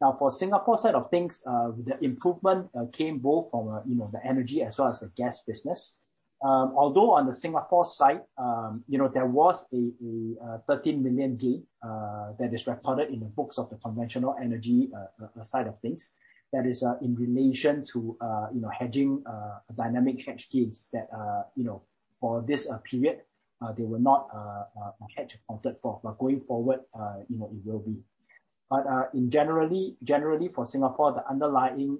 Now, for Singapore side of things, the improvement came both from the energy as well as the gas business. Although on the Singapore side, there was a 13 million gain, that is recorded in the books of the conventional energy side of things. That is in relation to hedging dynamic hedge gains that for this period, they were not hedge accounted for. Going forward, it will be. Generally for Singapore, the underlying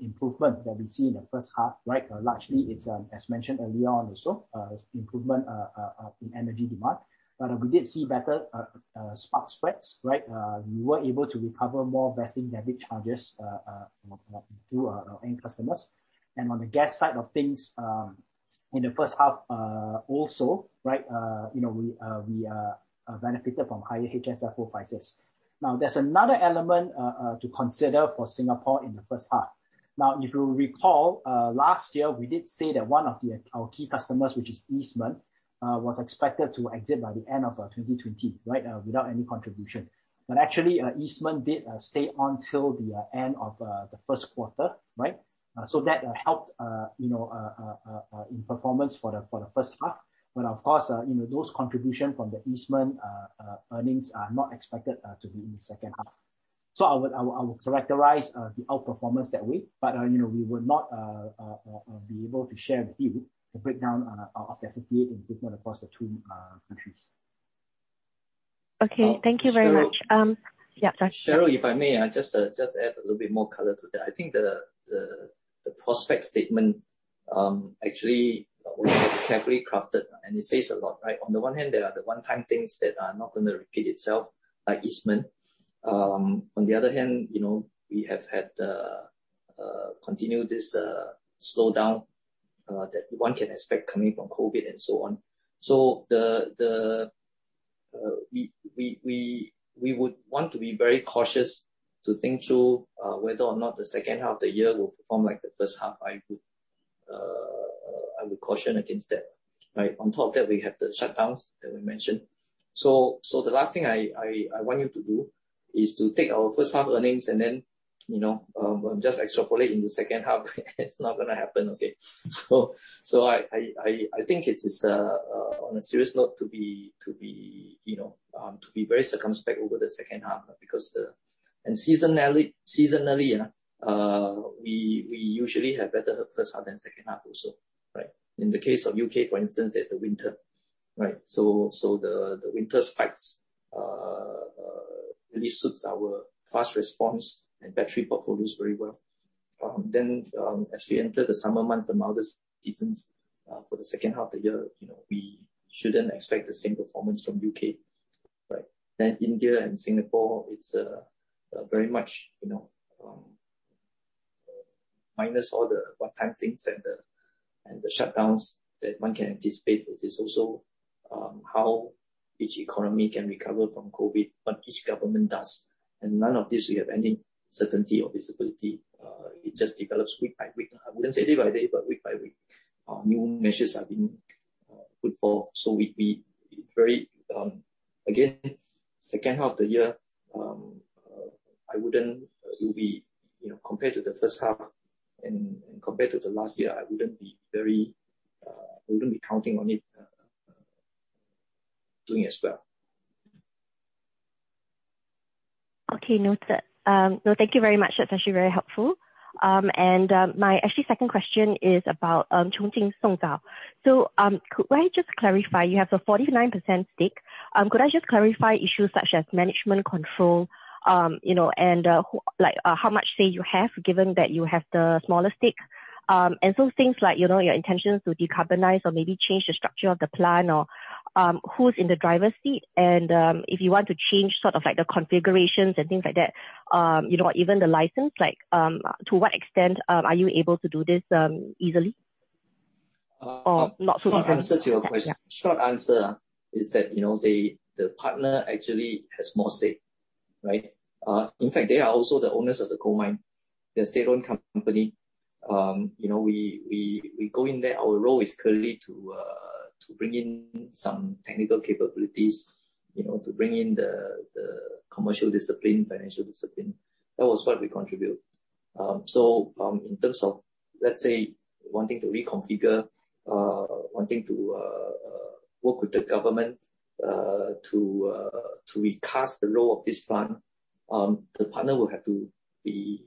improvement that we see in the first half, largely it's, as mentioned earlier on also, improvement in energy demand. We did see better spark spreads. We were able to recover more Vesting debit charges through our end customers. On the gas side of things, in the first half, also, we benefited from higher HSFO pool prices. There's another element to consider for Singapore in the first half. If you recall, last year we did say that one of our key customers, which is Eastman, was expected to exit by the end of 2020 without any contribution. Actually, Eastman did stay on till the end of the first quarter. That helped in performance for the first half. Of course, those contribution from the Eastman earnings are not expected to be in the second half. I would characterize the outperformance that way. We would not be able to share with you the breakdown of the 58 improvement across the two countries. Okay. Thank you very much. Cheryl, if I may, I just add a little bit more color to that. I think the prospect statement actually was carefully crafted, and it says a lot, right? On the one hand, there are the one-time things that are not going to repeat itself, like Eastman. On the other hand, we have had continue this slowdown that one can expect coming from COVID and so on. We would want to be very cautious to think through whether or not the second half of the year will perform like the first half. I would caution against that. On top of that, we have the shutdowns that we mentioned. The last thing I want you to do is to take our first half earnings and then just extrapolate in the second half, it's not going to happen, okay? I think it is, on a serious note, to be very circumspect over the second half because seasonally, we usually have better first half than second half also. In the case of the U.K., for instance, there's the winter. The winter spikes really suits our fast response and battery portfolios very well. As we enter the summer months, the mildest seasons for the second half of the year, we shouldn't expect the same performance from the U.K. India and Singapore, it's very much minus all the one-time things and the shutdowns that one can anticipate. It is also how each economy can recover from COVID-19, what each government does. None of this we have any certainty or visibility. It just develops week by week. I wouldn't say day by day, but week by week. New measures are being put forth. Again, second half of the year, compared to the first half and compared to the last year, I wouldn't be counting on it doing as well. Okay, noted. No, thank you very much. That's actually very helpful. My actually second question is about Chongqing Songzao. Could I just clarify, you have a 49% stake. Could I just clarify issues such as management control, and how much say you have, given that you have the smallest stake? Things like your intentions to decarbonize or maybe change the structure of the plant or who's in the driver's seat and if you want to change the configurations and things like that, even the license, to what extent are you able to do this easily or not so? Short answer to your question. Short answer is that the partner actually has more say. In fact, they are also the owners of the coal mine. They're a state-owned company. We go in there, our role is currently to bring in some technical capabilities, to bring in the commercial discipline, financial discipline. That was what we contribute. In terms of, let's say, wanting to reconfigure, wanting to work with the government to recast the role of this plant, the partner will have to be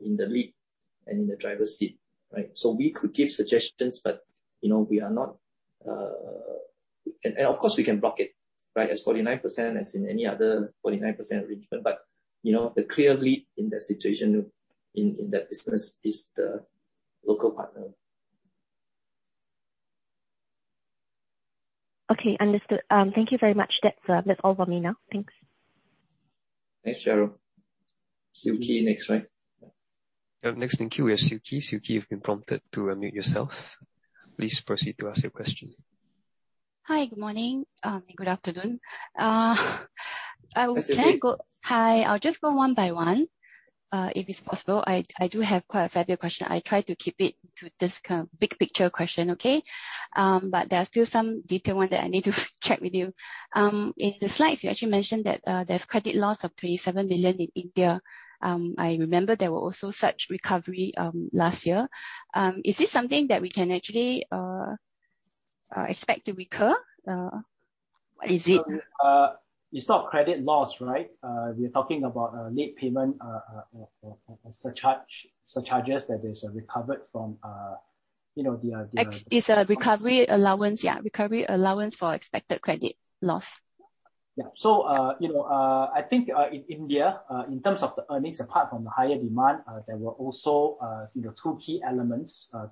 in the lead and in the driver's seat. We could give suggestions. Of course, we can block it as 49%, as in any other 49% arrangement. The clear lead in that situation, in that business, is the local partner. Okay, understood. Thank you very much. That's all from me now. Thanks. Thanks, Cheryl. Siew Khee next, right? Next in queue is Siew Khee. Siew Khee, you've been prompted to unmute yourself. Please proceed to ask your question. Hi, good morning. Good afternoon. Good afternoon. Hi. I'll just go one by one, if it's possible. I do have quite a few questions. I try to keep it to this kind of big picture question, okay? There are still some detailed ones that I need to check with you. In the slides, you actually mentioned that there's credit loss of 27 million in India. I remember there were also such recovery last year. Is this something that we can actually expect to recur? It's not credit loss, right? We're talking about late payment surcharges that is recovered. It's a recovery allowance. Yeah, recovery allowance for expected credit loss. Yeah. I think in India, in terms of the earnings, apart from the higher demand, there were also three key elements, I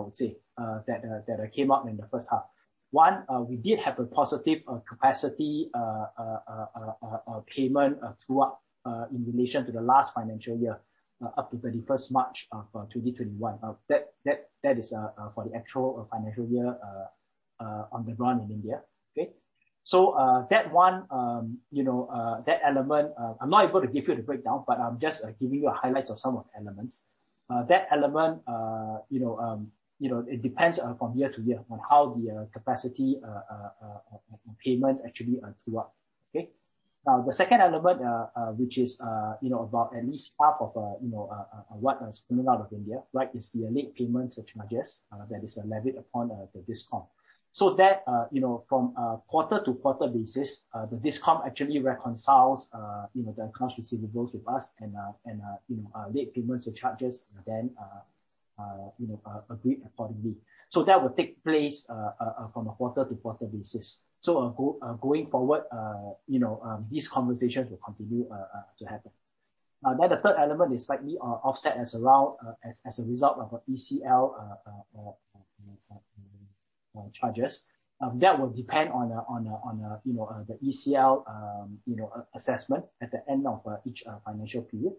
would say, that came up in the first half. One, we did have a positive capacity payment throughout, in relation to the last financial year, up to 31st March of 2021. That is for the actual financial year on the ground in India. Okay? That one, that element, I'm not able to give you the breakdown, but I'm just giving you highlights of some of the elements. That element, it depends from year to year on how the capacity of payments actually are throughout. Okay? The second element, which is, about at least half of what is coming out of India, is the late payment surcharges that is levied upon the DISCOM. That, from a quarter-to-quarter basis, the DISCOM actually reconciles the accounts receivables with us and late payment surcharges then agreed accordingly. That will take place from a quarter-to-quarter basis. Going forward, these conversations will continue to happen. The third element is slightly offset as a result of ECL charges. That will depend on the ECL assessment at the end of each financial period.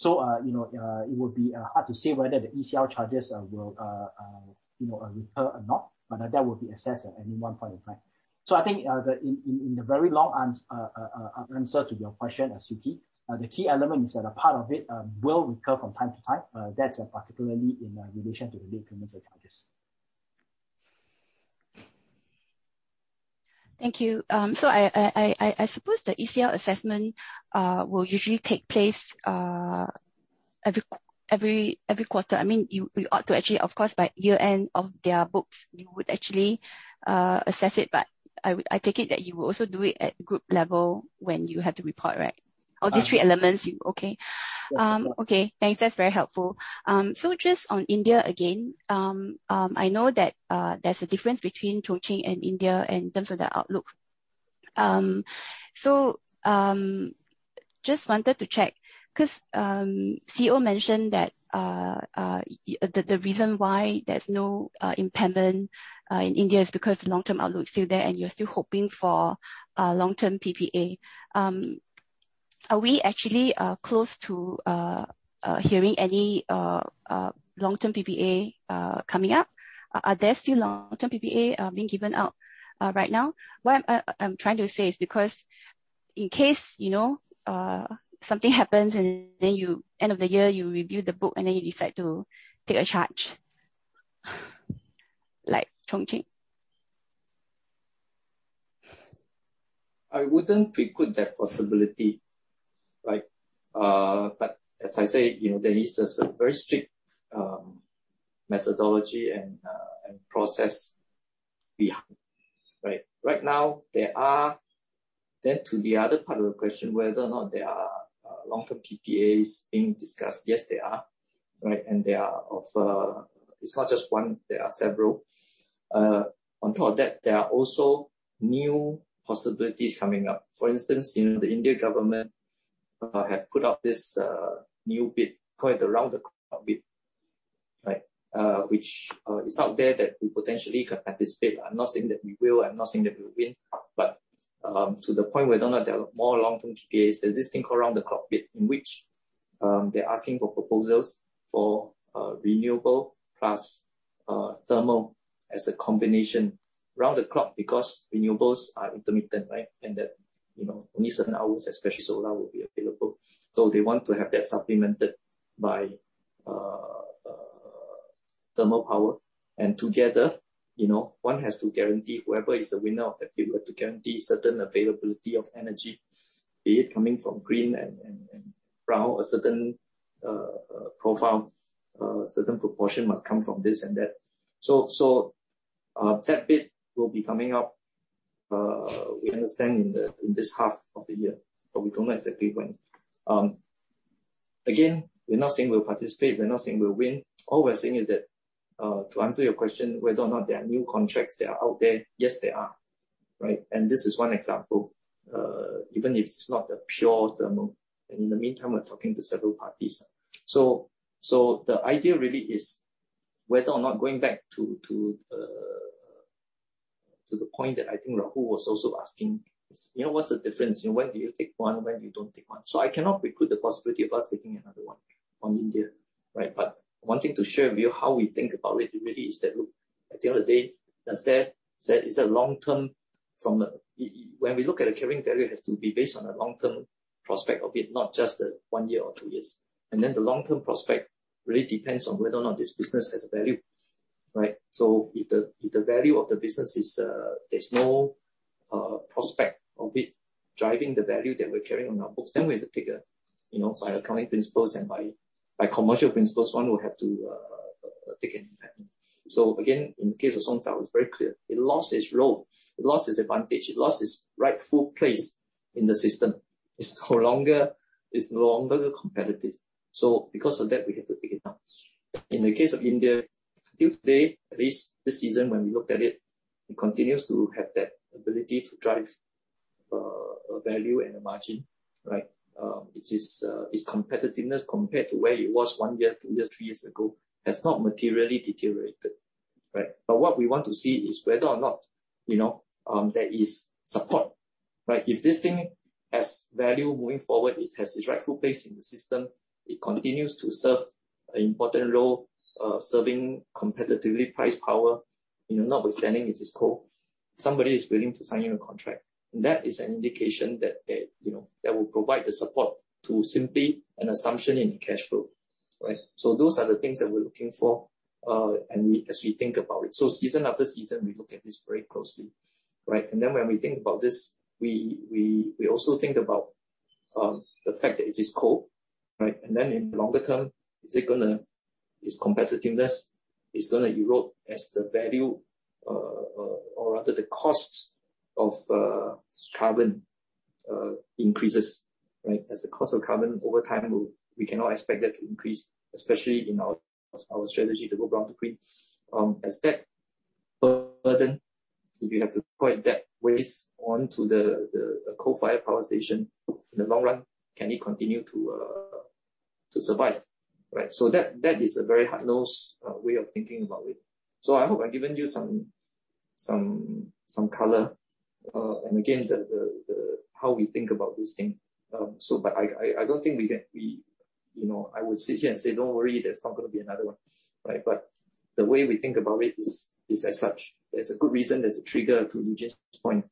It would be hard to say whether the ECL charges will recur or not. That will be assessed at any one point in time. I think in the very long answer to your question, Siew Khee, the key element is that a part of it will recur from time to time. That's particularly in relation to the late payment surcharges. Thank you. I suppose the ECL assessment will usually take place every quarter. You ought to actually, of course, by year-end of their books, you would actually assess it. I take it that you will also do it at group level when you have the report, right? All these three elements. Okay. Yes. Okay, thanks. That's very helpful. Just on India again, I know that there's a difference between Chongqing and India in terms of the outlook. Just wanted to check, because CEO mentioned that the reason why there's no impairment in India is because the long-term outlook is still there, and you're still hoping for long-term PPA. Are we actually close to hearing any long-term PPA coming up? Are there still long-term PPA being given out right now? What I'm trying to say is because in case something happens and then end of the year, you review the book, and then you decide to take a charge, like Chongqing. I wouldn't preclude that possibility. As I say, there is a very strict methodology and process we have. Right now, then to the other part of the question, whether or not there are long-term PPAs being discussed. Yes, there are. It's not just one, there are several. On top of that, there are also new possibilities coming up. For instance, the Indian government have put out this new bid called the round-the-clock bid. Which is out there that we potentially can participate. I'm not saying that we will, I'm not saying that we'll win, but to the point whether or not there are more long-term PPAs, there's this thing called round-the-clock bid, in which they're asking for proposals for renewable plus thermal as a combination round the clock because renewables are intermittent. That only certain hours, especially solar, will be available. They want to have that supplemented by thermal power. Together, one has to guarantee whoever is the winner of that bid, we have to guarantee certain availability of energy, be it coming from green and brown, a certain profile, a certain proportion must come from this and that. That bid will be coming up, we understand, in this half of the year, but we don't know exactly when. Again, we're not saying we'll participate. We're not saying we'll win. All we're saying is that, to answer your question, whether or not there are new contracts that are out there. Yes, there are, right? This is one example. Even if it's not the pure thermal. In the meantime, we're talking to several parties. The idea really is whether or not going back to the point that I think Rahul was also asking is, what's the difference? When do you take one, when you don't take one? I cannot recruit the possibility of us taking another one on India. Wanting to share with you how we think about it really is that, look, at the end of the day, as [dad] said, it's a long-term. When we look at the carrying value, it has to be based on a long-term prospect of it, not just the one year or two years. Then the long-term prospect really depends on whether or not this business has value, right? If the value of the business is, there's no prospect of it driving the value that we're carrying on our books, then by accounting principles and by commercial principles, one will have to take an impact. Again, in the case of Songzao, it's very clear. It lost its role. It lost its advantage. It lost its rightful place in the system. It's no longer competitive. Because of that, we have to take it out. In the case of India, till today, at least this season when we looked at it continues to have that ability to drive a value and a margin, right? Its competitiveness compared to where it was one year, two years, three years ago, has not materially deteriorated. Right. What we want to see is whether or not there is support. If this thing has value moving forward, it has its rightful place in the system, it continues to serve an important role, serving competitively priced power, notwithstanding it is coal, somebody is willing to sign you a contract. That is an indication that will provide the support to simply an assumption in cash flow. Those are the things that we're looking for as we think about it. Season after season, we look at this very closely. When we think about this, we also think about the fact that it is coal. In longer term, its competitiveness is going to erode as the value or rather the cost of carbon increases. As the cost of carbon over time, we cannot expect that to increase, especially in our strategy to go brown to green. As that burden, if you have to put that waste onto the coal-fired power station, in the long run, can it continue to survive? That is a very hard-nosed way of thinking about it. I hope I've given you some color, and again, how we think about this thing. I don't think I would sit here and say, "Don't worry, there's not going to be another one." The way we think about it is as such. There's a good reason, there's a trigger to Eugene's point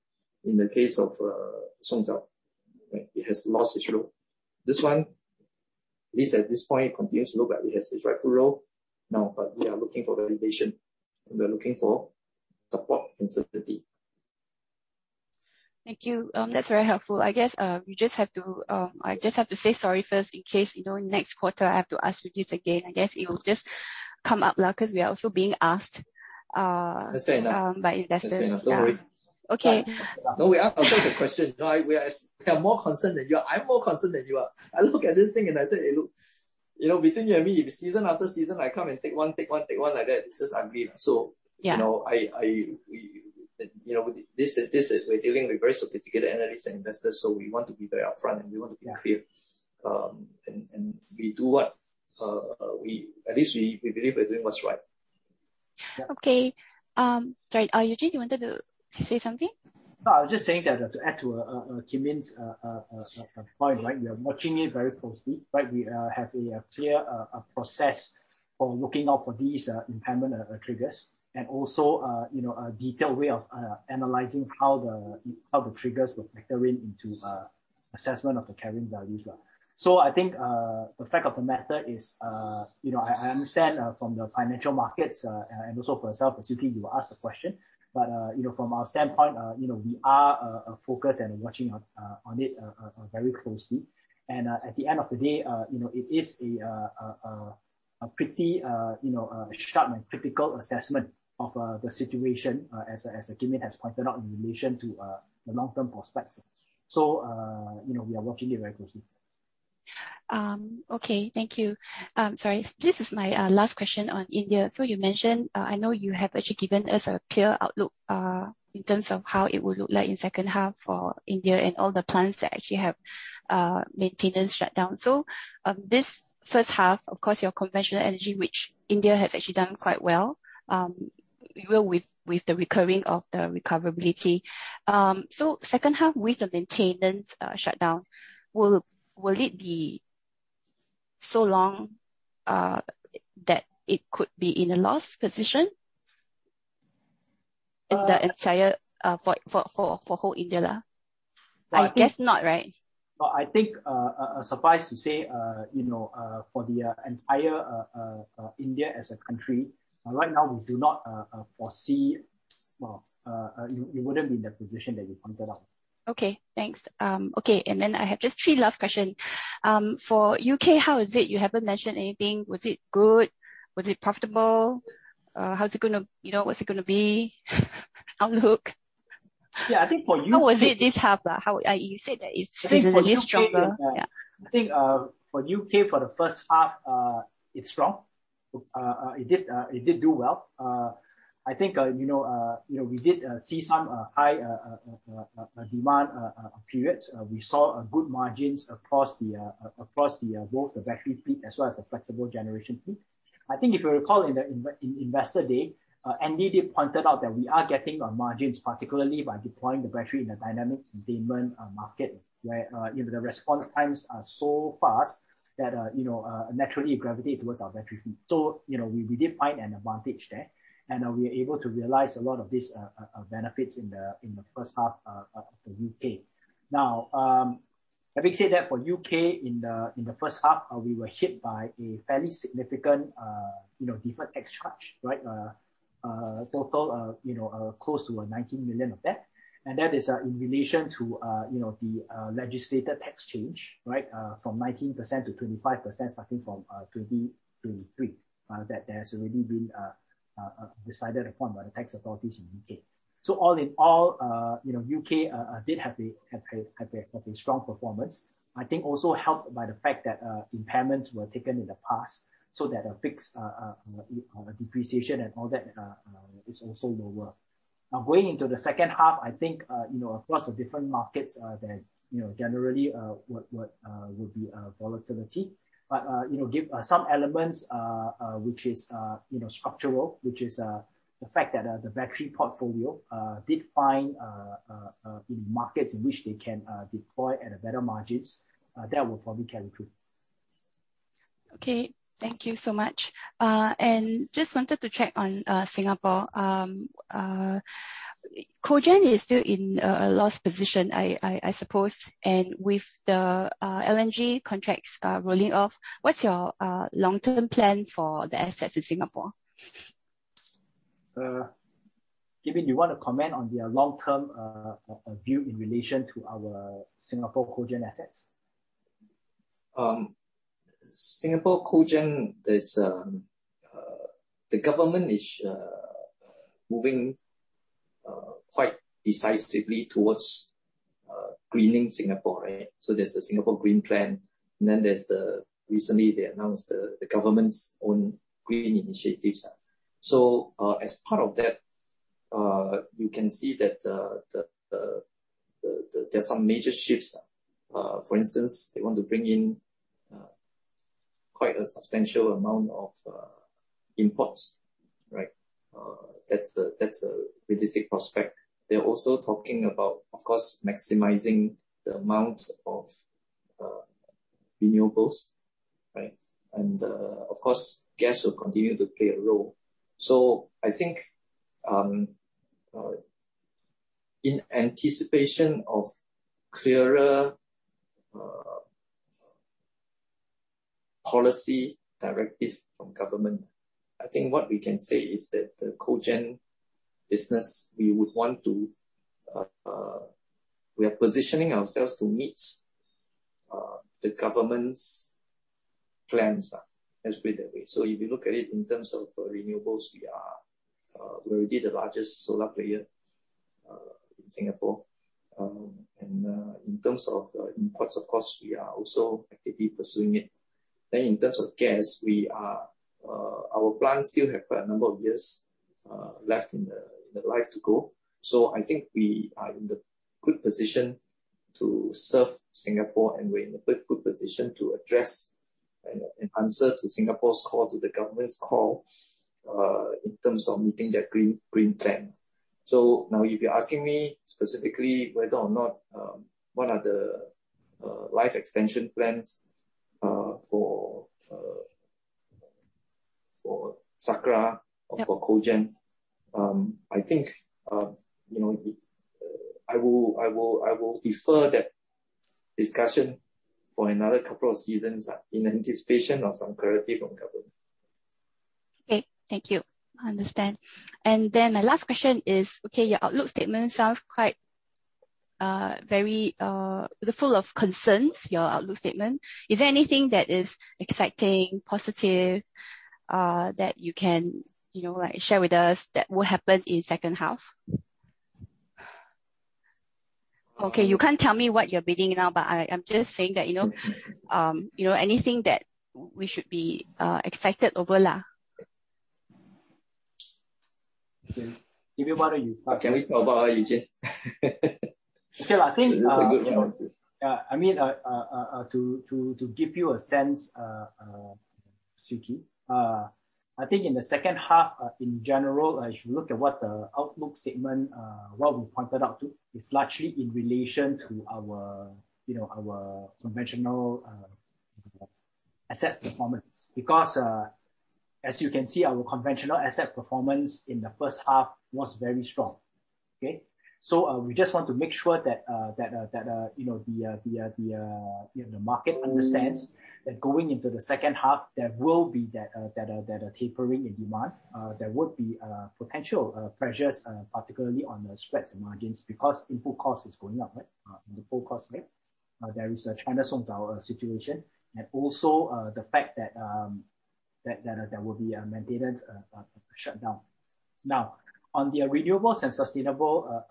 in the case of Songzao. It has lost its role. This one, at least at this point, continues to look like it has its rightful role. Now, we are looking for validation, and we are looking for support and certainty. Thank you. That's very helpful. I guess, I just have to say sorry first in case next quarter I have to ask you this again. I guess it will just come up because we are also being asked- That's fair enough. by investors. That's fair enough. Don't worry. Okay. No, I accept the question. I'm more concerned than you are. I look at this thing and I say, "Hey, look, between you and me, if season after season, I come and take one, take one, take one like that, this is ugly. Yeah. We're dealing with very sophisticated analysts and investors, so we want to be very upfront, and we want to be clear. We do. At least we believe we're doing what's right. Okay. Sorry, Eugene, you wanted to say something? I was just saying that to add to Kim Yin's point, we are watching it very closely. We have a clear process for looking out for these impairment triggers and also a detailed way of analyzing how the triggers will factor in into assessment of the carrying values. I think the fact of the matter is, I understand from the financial markets, and also for yourself, as you keep to ask the question, but from our standpoint, we are focused and watching on it very closely. At the end of the day, it is a pretty sharp and critical assessment of the situation, as Kim Yin has pointed out, in relation to the long-term prospects. We are watching it very closely. Okay. Thank you. Sorry, this is my last question on India. You mentioned, I know you have actually given us a clear outlook in terms of how it would look like in second half for India and all the plants that actually have maintenance shutdown. This first half, of course, your conventional energy, which India has actually done quite well, with the recurring of the recoverability. Second half with the maintenance shutdown, will it be so long that it could be in a loss position for whole India? I guess not, right? Well, I think suffice to say for the entire India as a country, right now, we do not foresee, well, it wouldn't be in the position that you pointed out. Okay, thanks. I have just three last question. For U.K., how is it? You haven't mentioned anything. Was it good? Was it profitable? What's it going to be outlook? Yeah, I think for U.K. How was it this half? You said that it's a little stronger. Yeah. I think for U.K. for the first half, it's strong. It did do well. I think we did see some high demand periods. We saw good margins across both the battery feed as well as the flexible generation fleet. I think if you recall in the investor day, Andy did point out that we are getting our margins, particularly by deploying the battery in a Dynamic Containment market, where the response times are so fast that naturally it gravitate towards our battery feed. We did find an advantage there, and we are able to realize a lot of these benefits in the first half of the U.K. Now, having said that, for U.K. in the first half, we were hit by a fairly significant deferred tax charge. Total close to 19 million of that. That is in relation to the legislated tax change from 19% to 25%, starting from 2023. That has already been decided upon by the tax authorities in U.K. All in all, U.K. did have a strong performance. I think also helped by the fact that impairments were taken in the past, so that a fixed depreciation and all that is also lower. Now going into the second half, I think, across the different markets, generally, what would be volatility. Some elements, which is structural, which is the fact that the battery portfolio did find markets in which they can deploy at better margins, that will probably carry through. Okay. Thank you so much. Just wanted to check on Singapore. Cogen is still in a loss position, I suppose. With the LNG contracts rolling off, what's your long-term plan for the assets in Singapore? Kim Yin, you want to comment on the long-term view in relation to our Sembcorp Cogen assets? Singapore Cogen, the government is moving quite decisively towards greening Singapore, right? There's the Singapore Green Plan, then recently they announced the government's own green initiatives. As part of that, you can see that there are some major shifts. For instance, they want to bring in quite a substantial amount of imports, right? That's a realistic prospect. They're also talking about, of course, maximizing the amount of renewables, right? Of course, gas will continue to play a role. I think, in anticipation of clearer policy directive from government, I think what we can say is that the Cogen business, we are positioning ourselves to meet the government's plans. Let's put it that way. If you look at it in terms of renewables, we're already the largest solar player in Singapore. In terms of imports, of course, we are also actively pursuing it. In terms of gas, our plants still have quite a number of years left in their life to go. I think we are in the good position to serve Singapore, and we're in a good position to address and answer to Singapore's call, to the government's call, in terms of meeting their Singapore Green Plan. Now, if you're asking me specifically whether or not, what are the life extension plans for Sakra or for Cogen, I think, I will defer that discussion for another couple of seasons in anticipation of some clarity from government. Okay. Thank you. I understand. My last question is, your outlook statement sounds quite full of concerns, your outlook statement. Is there anything that is exciting, positive, that you can share with us that will happen in second half? Okay. You can't tell me what you're bidding now, but I'm just saying that anything that we should be excited over. Okay. Kim Yin. Can we talk about that, Eugene? Okay. That's a good one. To give you a sense, Siew Khee, I think in the second half, in general, if you look at what the outlook statement, what we pointed out too, is largely in relation to our conventional asset performance. As you can see, our conventional asset performance in the first half was very strong. Okay? We just want to make sure that the market understands that going into the second half, there will be that tapering in demand. There would be potential pressures, particularly on the spreads and margins because input cost is going up, right? The full cost, right? There is a China Songzao situation, and also the fact that there will be a maintenance shutdown. On the renewables and sustainable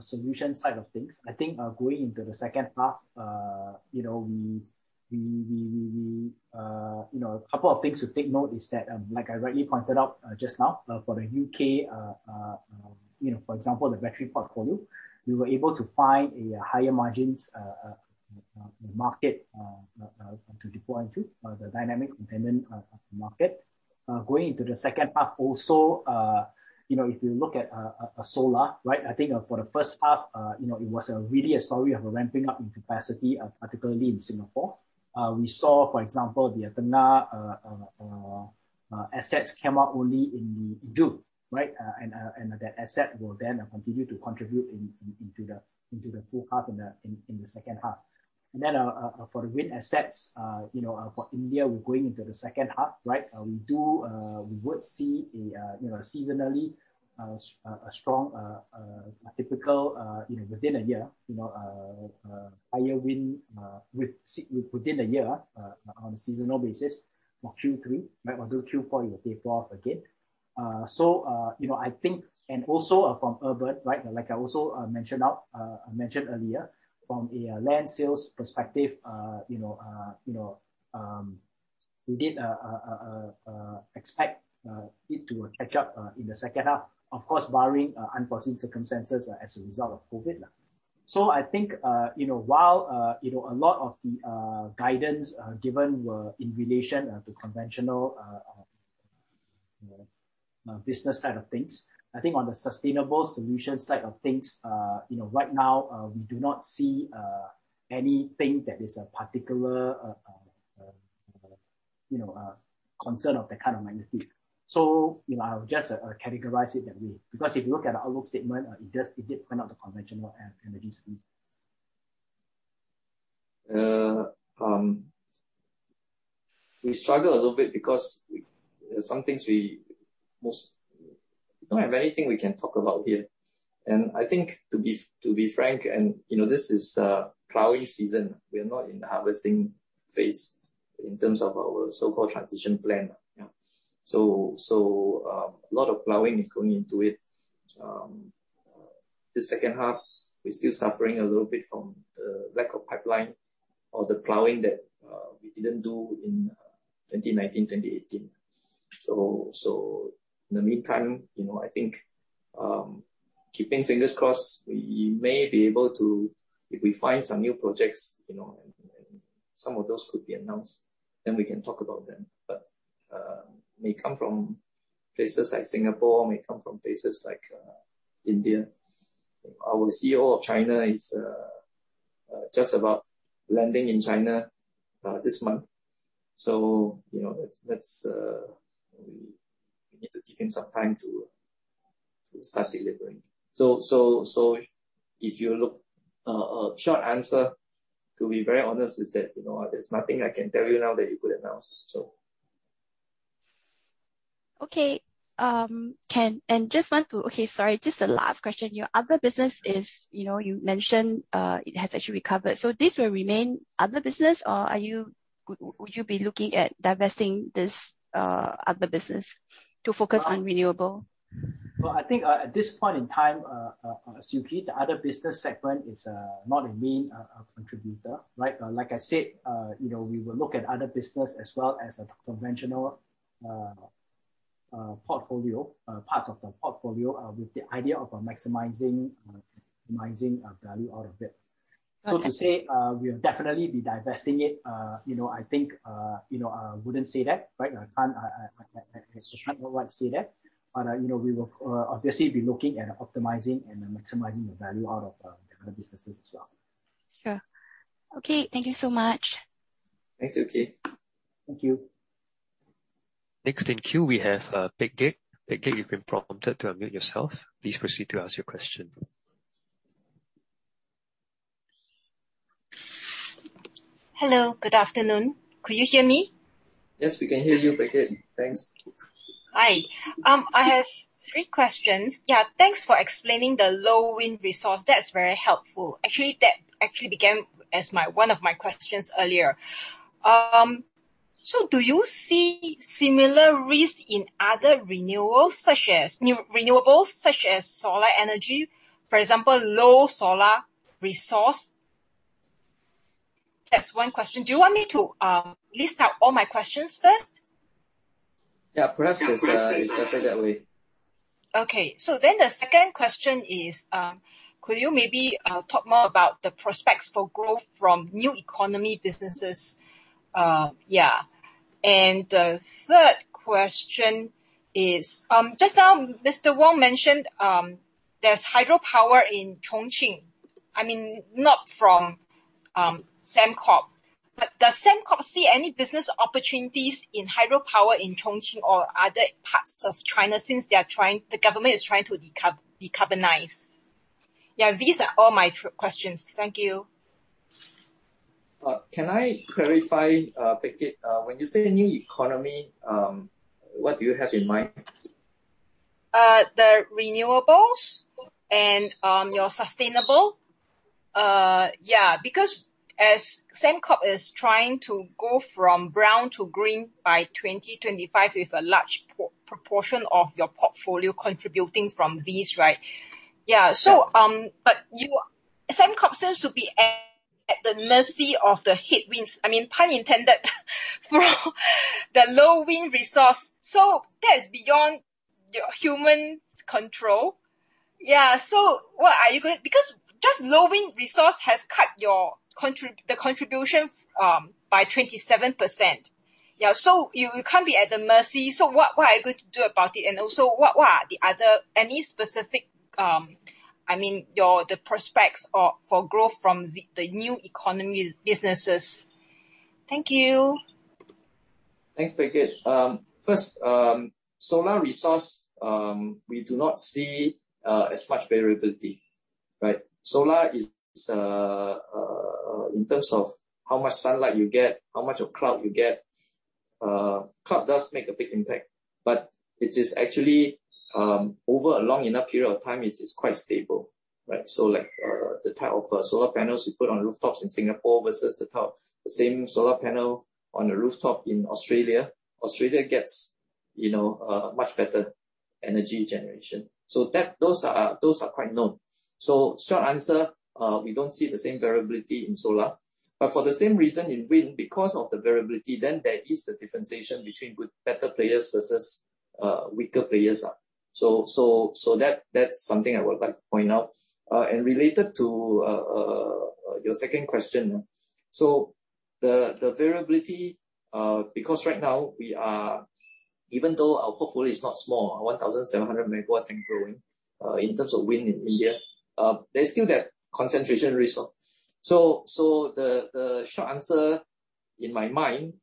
solution side of things, I think, going into the second half, a couple of things to take note is that, like I rightly pointed out just now for the U.K., for example, the battery portfolio, we were able to find a higher margins market to deploy into the Dynamic Containment market. Going into the second half also, if you look at solar, right, I think for the first half it was really a story of ramping up in capacity, particularly in Singapore. We saw, for example, the Tengeh assets came out only in June, right? That asset will then continue to contribute into the full half in the second half. For the wind assets for India, we're going into the second half, right? We would see seasonally a strong typical within a year, higher wind within a year on a seasonal basis for Q3 right until Q4, it will pay off again. Also from urban, right, like I also mentioned earlier, from a land sales perspective-We did expect it to catch up in the second half, of course, barring unforeseen circumstances as a result of COVID-19. I think, while a lot of the guidance given were in relation to conventional business side of things, I think on the sustainable solutions side of things, right now, we do not see anything that is a particular concern of that kind of magnitude. I would just categorize it that way. Because if you look at our outlook statement, it did point out the conventional energy suite. We struggle a little bit because some things we don't have anything we can talk about here. I think to be frank, this is plowing season. We are not in harvesting phase in terms of our so-called transition plan. Yeah. A lot of plowing is going into it. The second half, we're still suffering a little bit from the lack of pipeline or the plowing that we didn't do in 2019, 2018. In the meantime, I think keeping fingers crossed, we may be able to, if we find some new projects, and some of those could be announced, then we can talk about them. May come from places like Singapore, may come from places like India. Our CEO of China is just about landing in China this month, we need to give him some time to start delivering. If you look, short answer, to be very honest, is that there's nothing I can tell you now that you couldn't announce. Okay. Ken, just a last question. Your other business is, you mentioned, it has actually recovered. This will remain other business, or would you be looking at divesting this other business to focus on renewable? Well, I think, at this point in time, Siew Khee, the other business segment is not a main contributor. Like I said, we will look at other business as well as a conventional portfolio, parts of the portfolio, with the idea of maximizing value out of it. Okay. To say, we'll definitely be divesting it, I think, I wouldn't say that. I can't right now say that. We will obviously be looking at optimizing and maximizing the value out of the other businesses as well. Sure. Okay. Thank you so much. Thanks, Siew Khee. Thank you. Next in queue, we have Peck Gek. Peck Gek, you've been prompted to unmute yourself. Please proceed to ask your question. Hello. Good afternoon. Could you hear me? Yes, we can hear you, Peck Gek. Thanks. Hi. I have three questions. Yeah. Thanks for explaining the low wind resource. That's very helpful. Actually, that actually began as one of my questions earlier. Do you see similar risk in other renewables, such as solar energy, for example, low solar resource? That's one question. Do you want me to list out all my questions first? Yeah. Perhaps it's better that way. The second question is, could you maybe talk more about the prospects for growth from new economy businesses? The third question is, just now Mr. Wong mentioned, there's hydropower in Chongqing. Not from Sembcorp. Does Sembcorp see any business opportunities in hydropower in Chongqing or other parts of China since the government is trying to decarbonize? These are all my questions. Thank you. Can I clarify, Peck Gek, when you say new economy, what do you have in mind? The renewables and your sustainable. Yeah, as Sembcorp is trying to go from brown to green by 2025 with a large proportion of your portfolio contributing from these, right? Yeah. Sembcorp seems to be at the mercy of the headwinds, I mean, pun intended, from the low wind resource. That is beyond human control. Yeah. Just low wind resource has cut the contribution by 27%. Yeah, you can't be at the mercy. Also, what are any specific, I mean, the prospects for growth from the new economy businesses? Thank you. Thanks, Peck Gek. First, solar resource, we do not see as much variability, right? Solar is, in terms of how much sunlight you get, how much of cloud you get. Cloud does make a big impact, but it is actually, over a long enough period of time, it is quite stable, right? Like, the type of solar panels you put on rooftops in Singapore versus the same solar panel on a rooftop in Australia. Australia gets much better energy generation. Those are quite known. Short answer, we don't see the same variability in solar. For the same reason in wind, because of the variability, then there is the differentiation between better players versus weaker players. That's something I would like to point out. Related to your second question, the variability, because right now even though our portfolio is not small, 1,700 MW and growing, in terms of wind in India, there's still that concentration risk. The short answer in my mind,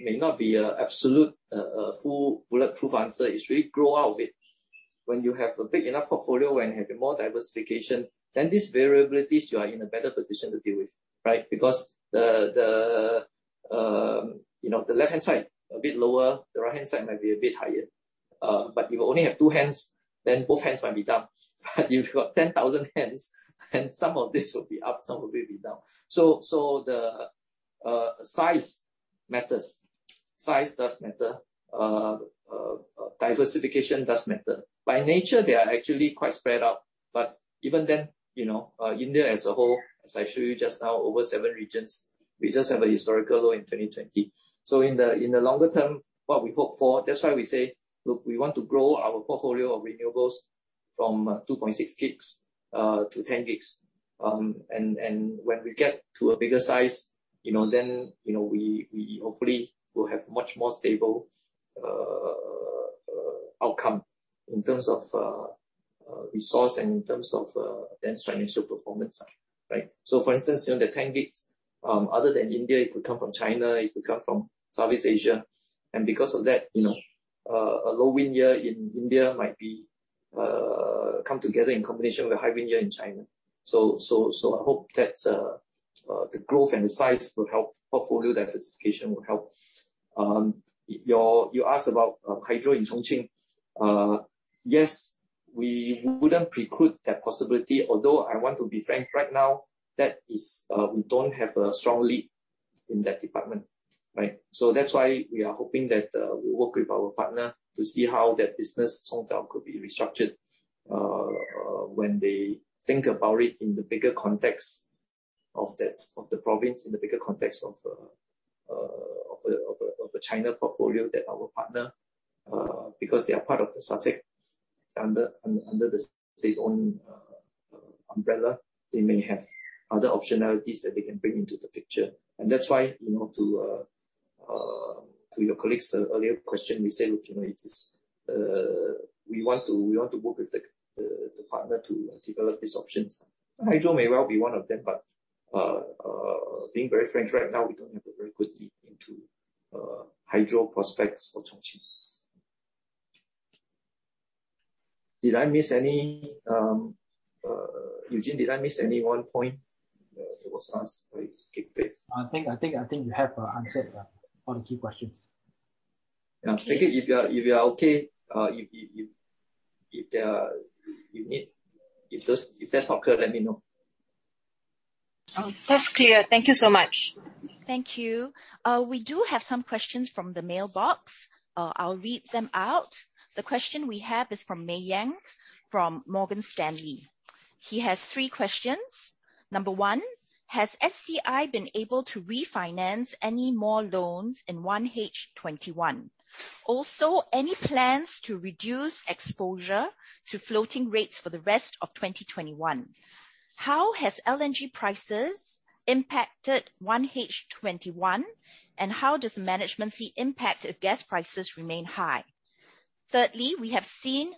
may not be a absolute, a full bulletproof answer, is really grow out of it. When you have a big enough portfolio and have a more diversification, these variabilities you are in a better position to deal with, right? Because the left-hand side a bit lower, the right-hand side might be a bit higher. You only have two hands, both hands might be down. If you've got 10,000 hands, some of these will be up, some of them will be down. The size matters. Size does matter. Diversification does matter. By nature, they are actually quite spread out. Even then, India as a whole, as I showed you just now, over seven regions, we just have a historical low in 2020. In the longer term, what we hope for, that's why we say, look, we want to grow our portfolio of renewables from 2.6 gigs to 10 gigs. When we get to a bigger size, we hopefully will have much more stable outcome in terms of resource and in terms of financial performance. Right. For instance, the 10 gigs, other than India, it could come from China, it could come from Southeast Asia. Because of that, a low wind year in India might come together in combination with a high wind year in China. I hope that the growth and the size will help portfolio diversification. You asked about hydro in Chongqing. Yes, we wouldn't preclude that possibility, although I want to be frank right now, we don't have a strong lead in that department, right? That's why we are hoping that we work with our partner to see how that business, Songzao, could be restructured when they think about it in the bigger context of the province, in the bigger context of the China portfolio that our partner, because they are part of the SASAC under their own umbrella, they may have other optionalities that they can bring into the picture. That's why, to your colleague's earlier question, we said, look, we want to work with the partner to develop these options. Hydro may well be one of them, being very frank right now, we don't have a very good lead into hydro prospects for Chongqing. Did I miss any, Eugene, did I miss any one point that was asked by Keith? I think you have answered all the key questions. Okay. If you are okay, if that's not clear, let me know. That's clear. Thank you so much. Thank you. We do have some questions from the mailbox. I'll read them out. The question we have is from Mayank from Morgan Stanley. He has three questions. Number one, has SCI been able to refinance any more loans in 1H 2021? Also, any plans to reduce exposure to floating rates for the rest of 2021? How has LNG prices impacted 1H 2021, and how does management see impact if gas prices remain high? Thirdly, we have seen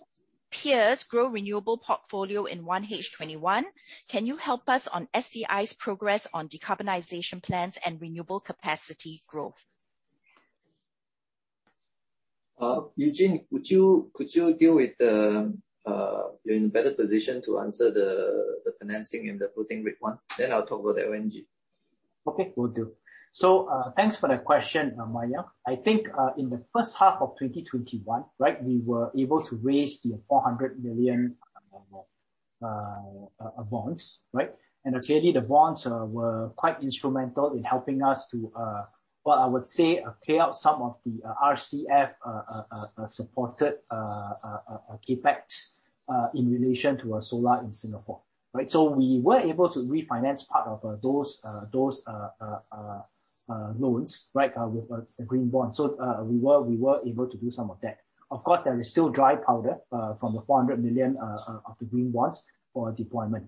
peers grow renewable portfolio in 1H 2021. Can you help us on SCI's progress on decarbonization plans and renewable capacity growth? Eugene, could you deal with, you're in a better position to answer the financing and the floating rate one, then I'll talk about LNG. Okay. Will do. Thanks for that question, Mayank. I think, in the first half of 2021, we were able to raise the 400 million of bonds. Right? Actually, the bonds were quite instrumental in helping us to, well, I would say, pay out some of the RCF, supported CapEx, in relation to our solar in Singapore. Right. We were able to refinance part of those loans with the green bond. We were able to do some of that. Of course, there is still dry powder, from the 400 million of the green bonds for deployment.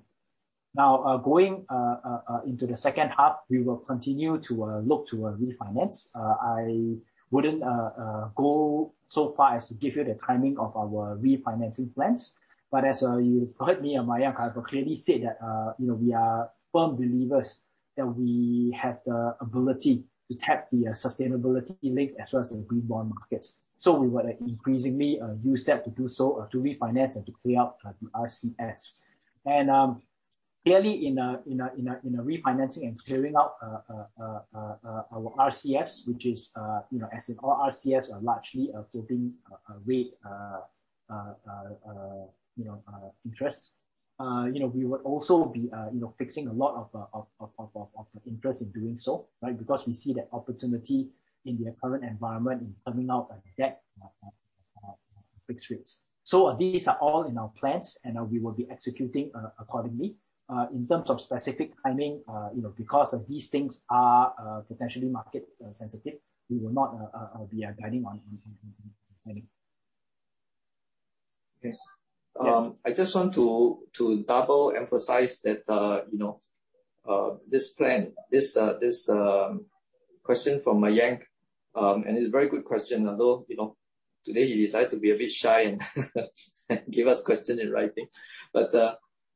Now, going into the second half, we will continue to look to refinance. I wouldn't go so far as to give you the timing of our refinancing plans. As you've heard me, Mayank, I've clearly said that we are firm believers that we have the ability to tap the sustainability link as well as the green bond markets. We will increasingly use that to do so to refinance and to clear out the RCFs. Clearly in a refinancing and clearing out our RCFs, which is, as in all RCFs are largely a floating rate interest. We would also be fixing a lot of interest in doing so, because we see that opportunity in the current environment in terming out a debt fixed rates. These are all in our plans, and we will be executing accordingly. In terms of specific timing, because these things are potentially market sensitive, we will not be guiding on any. Okay. Yes. I just want to double-emphasize that this plan, this question from Mayank, and it's a very good question, although, today he decided to be a bit shy and give us question in writing.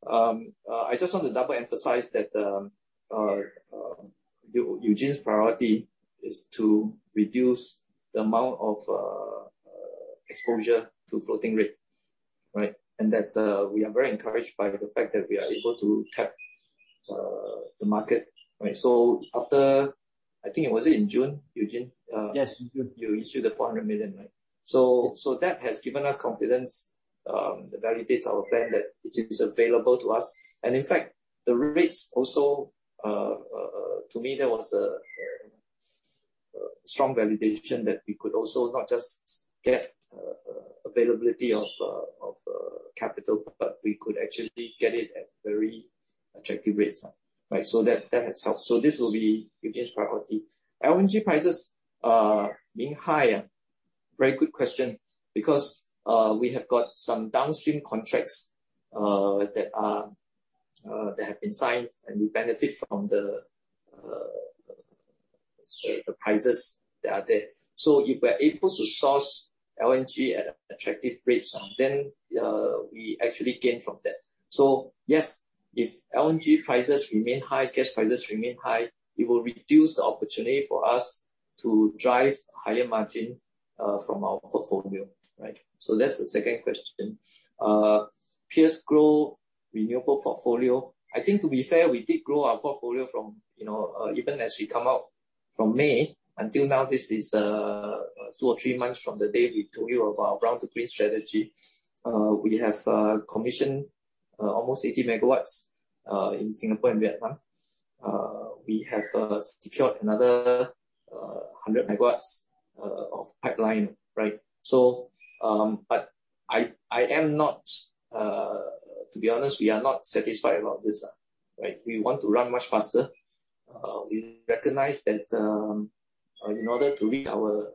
I just want to double-emphasize that Eugene's priority is to reduce the amount of exposure to floating rate, right? That we are very encouraged by the fact that we are able to tap the market. After, I think it was in June, Eugene- Yes, in June. You issued the 400 million, right? That has given us confidence, that validates our plan that it is available to us. In fact, the rates also, to me, that was a strong validation that we could also not just get availability of capital, but we could actually get it at very attractive rates. That has helped. This will be Eugene's priority. LNG prices are being higher. Very good question. We have got some downstream contracts that have been signed, and we benefit from the prices that are there. If we're able to source LNG at attractive rates, then we actually gain from that. Yes, if LNG prices remain high, gas prices remain high, it will reduce the opportunity for us to drive higher margin from our portfolio. That's the second question. PS grow renewable portfolio. I think to be fair, we did grow our portfolio from, even as we come out from May until now, this is two or three months from the day we told you about our Brown-to-Green Strategy. We have commissioned almost 80 MW in Singapore and Vietnam. We have secured another 100 MW of pipeline. I'm not, to be honest, we're not satisfied about this. We want to run much faster. We recognize that in order to reach our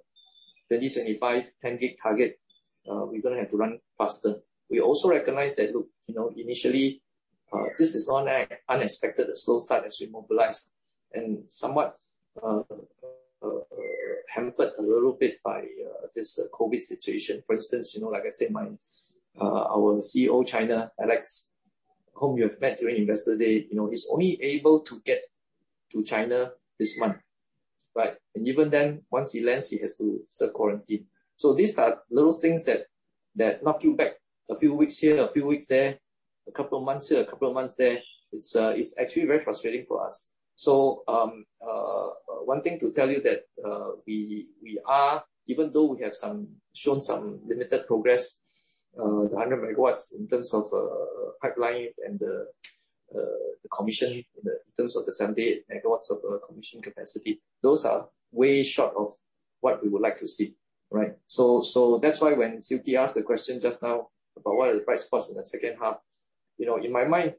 2025 10 GW target, we're going to have to run faster. We also recognize that, look, initially, this is not an unexpected, a slow start as we mobilized and somewhat hampered a little bit by this COVID-19 situation. For instance, like I said, our CEO, China, Alex, whom you have met during Investor Day, he's only able to get to China this month. Even then, once he lands, he has to self-quarantine. These are little things that knock you back a few weeks here, a few weeks there, a couple of months here, a couple of months there. It's actually very frustrating for us. One thing to tell you that, we are, even though we have shown some limited progress, the 100 MW in terms of pipeline and the commission in terms of the 78 MW of commission capacity, those are way short of what we would like to see. That's why when Siew Khee asked the question just now about what are the price points in the second half, in my mind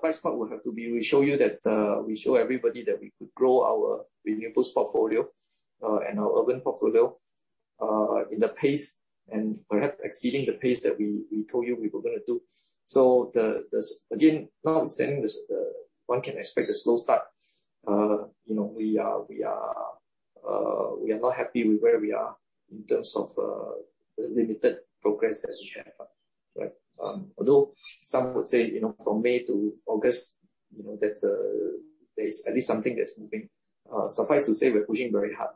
price point will have to be, we show you that, we show everybody that we could grow our renewables portfolio, and our urban portfolio, in the pace and perhaps exceeding the pace that we told you we were going to do. Again, notwithstanding this, one can expect a slow start. We are not happy with where we are in terms of the limited progress that we have. Although some would say, from May to August, there's at least something that's moving. Suffice to say, we're pushing very hard.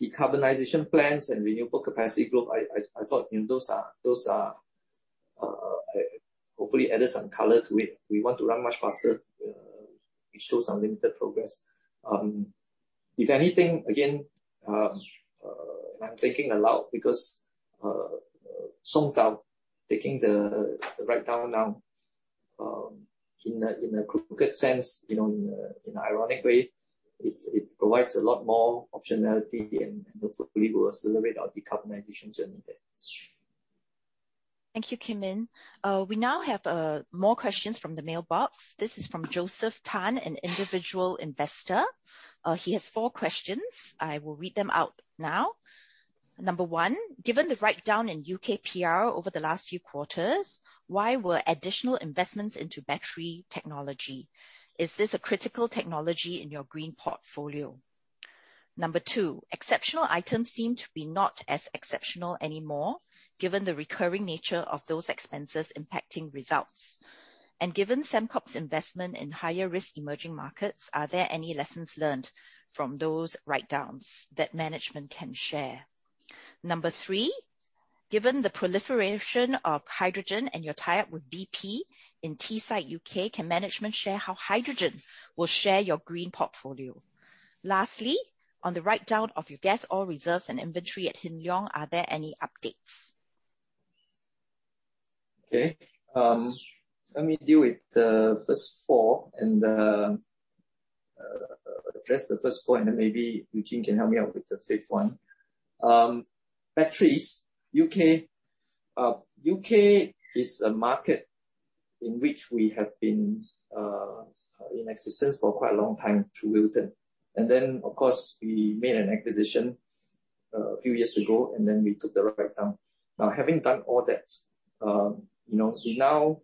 Decarbonization plans and renewable capacity group, I thought those are, hopefully, added some color to it. We want to run much faster. We show some limited progress. If anything, again, I'm thinking aloud because Songzao taking the write-down now, in a crooked sense, in an ironic way, it provides a lot more optionality and hopefully will accelerate our decarbonization journey there. Thank you, Kim Yin. We now have more questions from the mailbox. This is from Joseph Tan, an individual investor. He has four questions. I will read them out now. Number 1, given the write-down in UKPR over the last few quarters, why were additional investments into battery technology? Is this a critical technology in your green portfolio? Number 2, exceptional items seem to be not as exceptional anymore given the recurring nature of those expenses impacting results. Given Sembcorp's investment in higher risk emerging markets, are there any lessons learned from those write-downs that management can share? Number 3, given the proliferation of hydrogen and your tie-up with BP in Teesside, U.K., can management share how hydrogen will share your green portfolio? Lastly, on the write-down of your gas oil reserves and inventory at Hin Leong, are there any updates? Okay. Let me deal with the first four and address the first point, and maybe Eugene can help me out with the fifth one. Batteries. U.K. is a market in which we have been in existence for quite a long time through Wilton. Of course, we made an acquisition a few years ago, and then we took the write down. Having done all that, we now,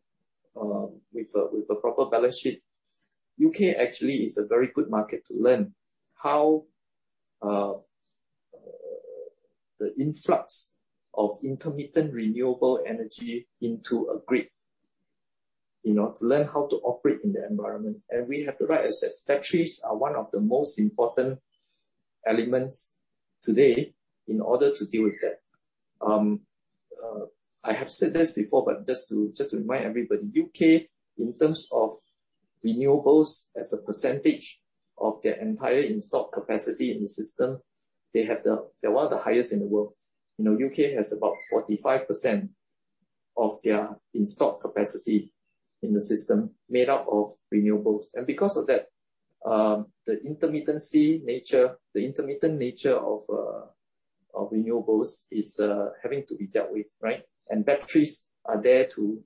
with a proper balance sheet, U.K. actually is a very good market to learn how the influx of intermittent renewable energy into a grid, to learn how to operate in that environment. We have the right assets. Batteries are one of the most important elements today in order to deal with that. I have said this before, just to remind everybody, U.K., in terms of renewables as a percentage of their entire in-stock capacity in the system, they're one of the highest in the world. U.K. has about 45% of their in-stock capacity in the system made up of renewables. Because of that, the intermittent nature of renewables is having to be dealt with, right? Batteries are there to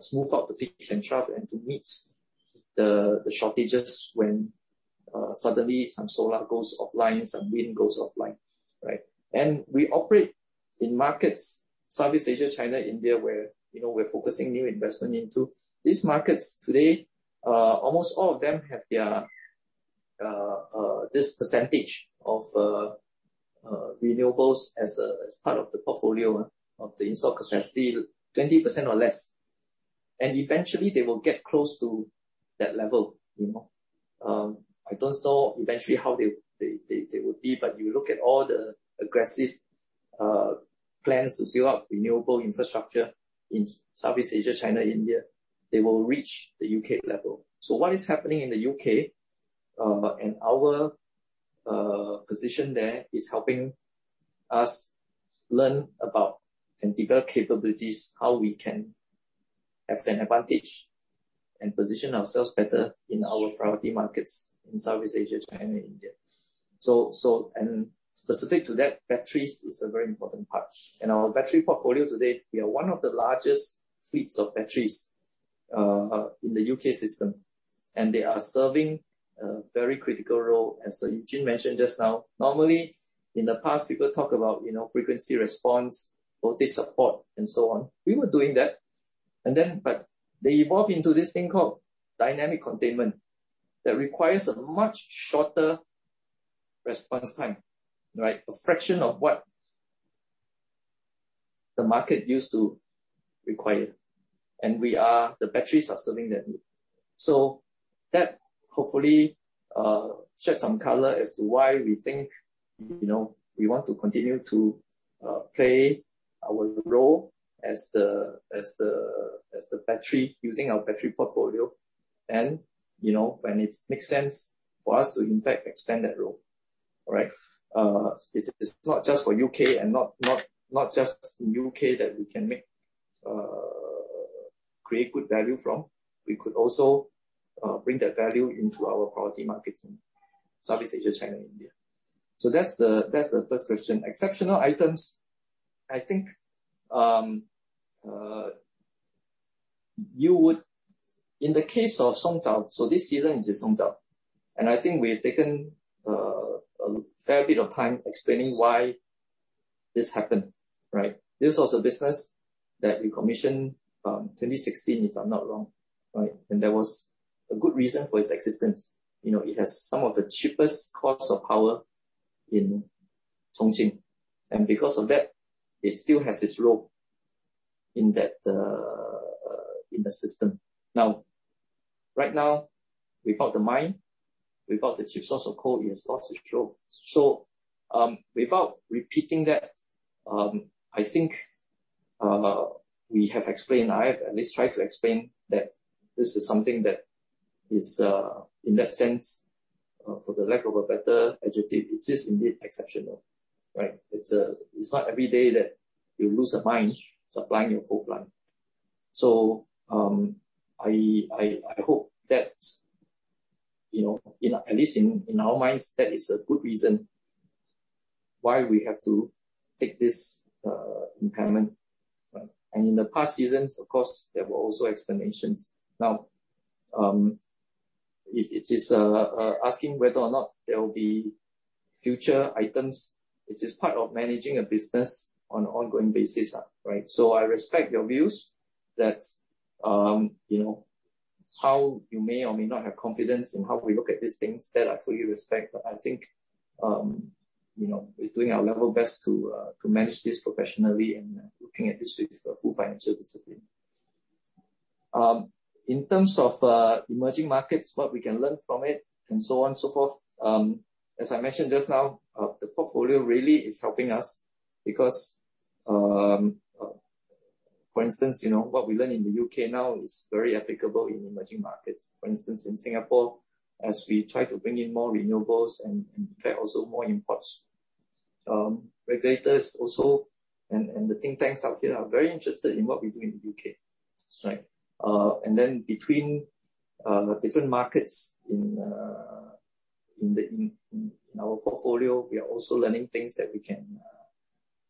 smooth out the peaks and trough and to meet the shortages when suddenly some solar goes offline, some wind goes offline, right? We operate in markets, Southeast Asia, China, India, where we're focusing new investment into. These markets today, almost all of them have this percentage of renewables as part of the portfolio of the in-stock capacity, 20% or less. Eventually, they will get close to that level. I don't know eventually how they would be, but you look at all the aggressive plans to build up renewable infrastructure in Southeast Asia, China, India, they will reach the U.K. level. What is happening in the U.K., and our position there is helping us learn about and develop capabilities, how we can have an advantage and position ourselves better in our priority markets in Southeast Asia, China, and India. Specific to that, batteries is a very important part. In our battery portfolio today, we are one of the largest fleets of batteries in the U.K. system, and they are serving a very critical role, as Eugene Cheng mentioned just now. Normally, in the past, people talk about frequency response, voltage support, and so on. We were doing that. They evolved into this thing called Dynamic Containment that requires a much shorter response time, right? A fraction of what the market used to require. The batteries are serving that need. That hopefully sheds some color as to why we think we want to continue to play our role as the battery, using our battery portfolio and, when it makes sense for us to, in fact, expand that role. All right? It's not just for U.K. and not just in U.K. that we can create good value from. We could also bring that value into our priority markets in Southeast Asia, China, India. That's the first question. Exceptional items, I think, in the case of Songzao, so this season is the Songzao. I think we've taken a fair bit of time explaining why this happened, right? This was a business that we commissioned 2016, if I'm not wrong, right? There was a good reason for its existence. It has some of the cheapest cost of power in Chongqing. Because of that, it still has its role in the system. Right now, without the mine, without the cheap source of coal, it has lost its role. Without repeating that, I think, we have explained, I have at least tried to explain that this is something that is, in that sense, for the lack of a better adjective, it is indeed exceptional, right? It's not every day that you lose a mine supplying your coal plant. I hope that at least in our minds, that is a good reason why we have to take this impairment. In the past seasons, of course, there were also explanations. If it is asking whether or not there will be future items, it is part of managing a business on an ongoing basis, right? I respect your views that how you may or may not have confidence in how we look at these things, that I fully respect. I think, we are doing our level best to manage this professionally and looking at this with a full financial discipline. In terms of emerging markets, what we can learn from it and so on and so forth, as I mentioned just now, the portfolio really is helping us because, for instance, what we learn in the U.K. now is very applicable in emerging markets. For instance, in Singapore, as we try to bring in more renewables and in fact, also more imports. Regulators also, and the think tanks out here are very interested in what we do in the U.K. Right. Between the different markets in our portfolio, we are also learning things that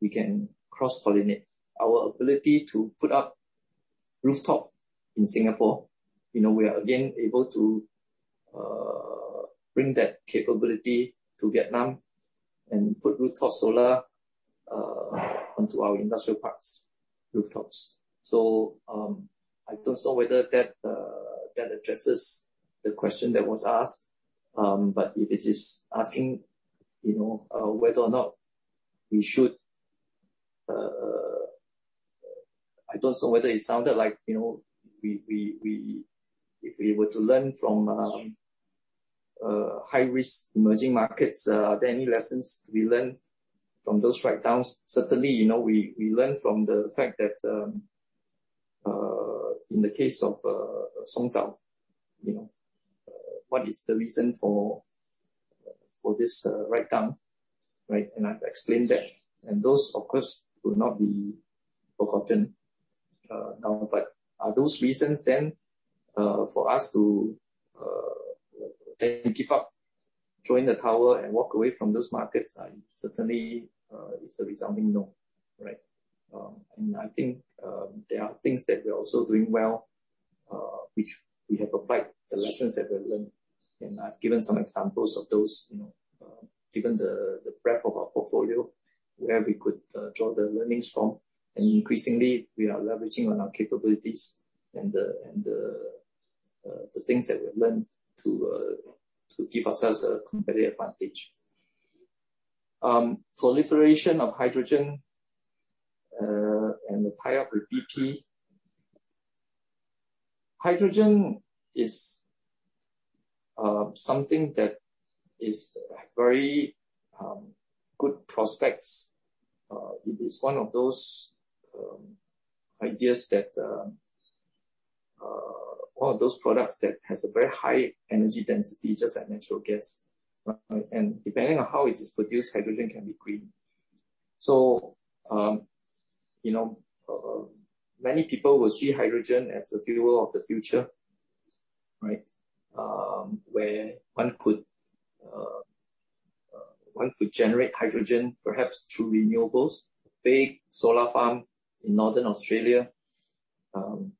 we can cross-pollinate. Our ability to put up rooftop in Singapore, we are again able to bring that capability to Vietnam and put rooftop solar onto our industrial parks' rooftops. I don't know whether that addresses the question that was asked, if it is asking whether or not we should, I don't know whether it sounded like if we were to learn from high-risk emerging markets, are there any lessons we learned from those write-downs? Certainly, we learn from the fact that, in the case of Songzao, what is the reason for this write-down, right? I've explained that, and those, of course, will not be forgotten now. Are those reasons then for us to then give up, throw in the towel and walk away from those markets? Certainly, it's a resounding no. Right? I think there are things that we're also doing well, which we have applied the lessons that we learned, and I've given some examples of those given the breadth of our portfolio where we could draw the learnings from. Increasingly, we are leveraging on our capabilities and the things that we've learned to give ourselves a competitive advantage. Proliferation of hydrogen, and the tie-up with BP. Hydrogen is something that is very good prospects. It is one of those products that has a very high energy density, just like natural gas. Right? Depending on how it is produced, hydrogen can be green. Many people will see hydrogen as the fuel of the future, right, where one could generate hydrogen perhaps through renewables. Big solar farm in Northern Australia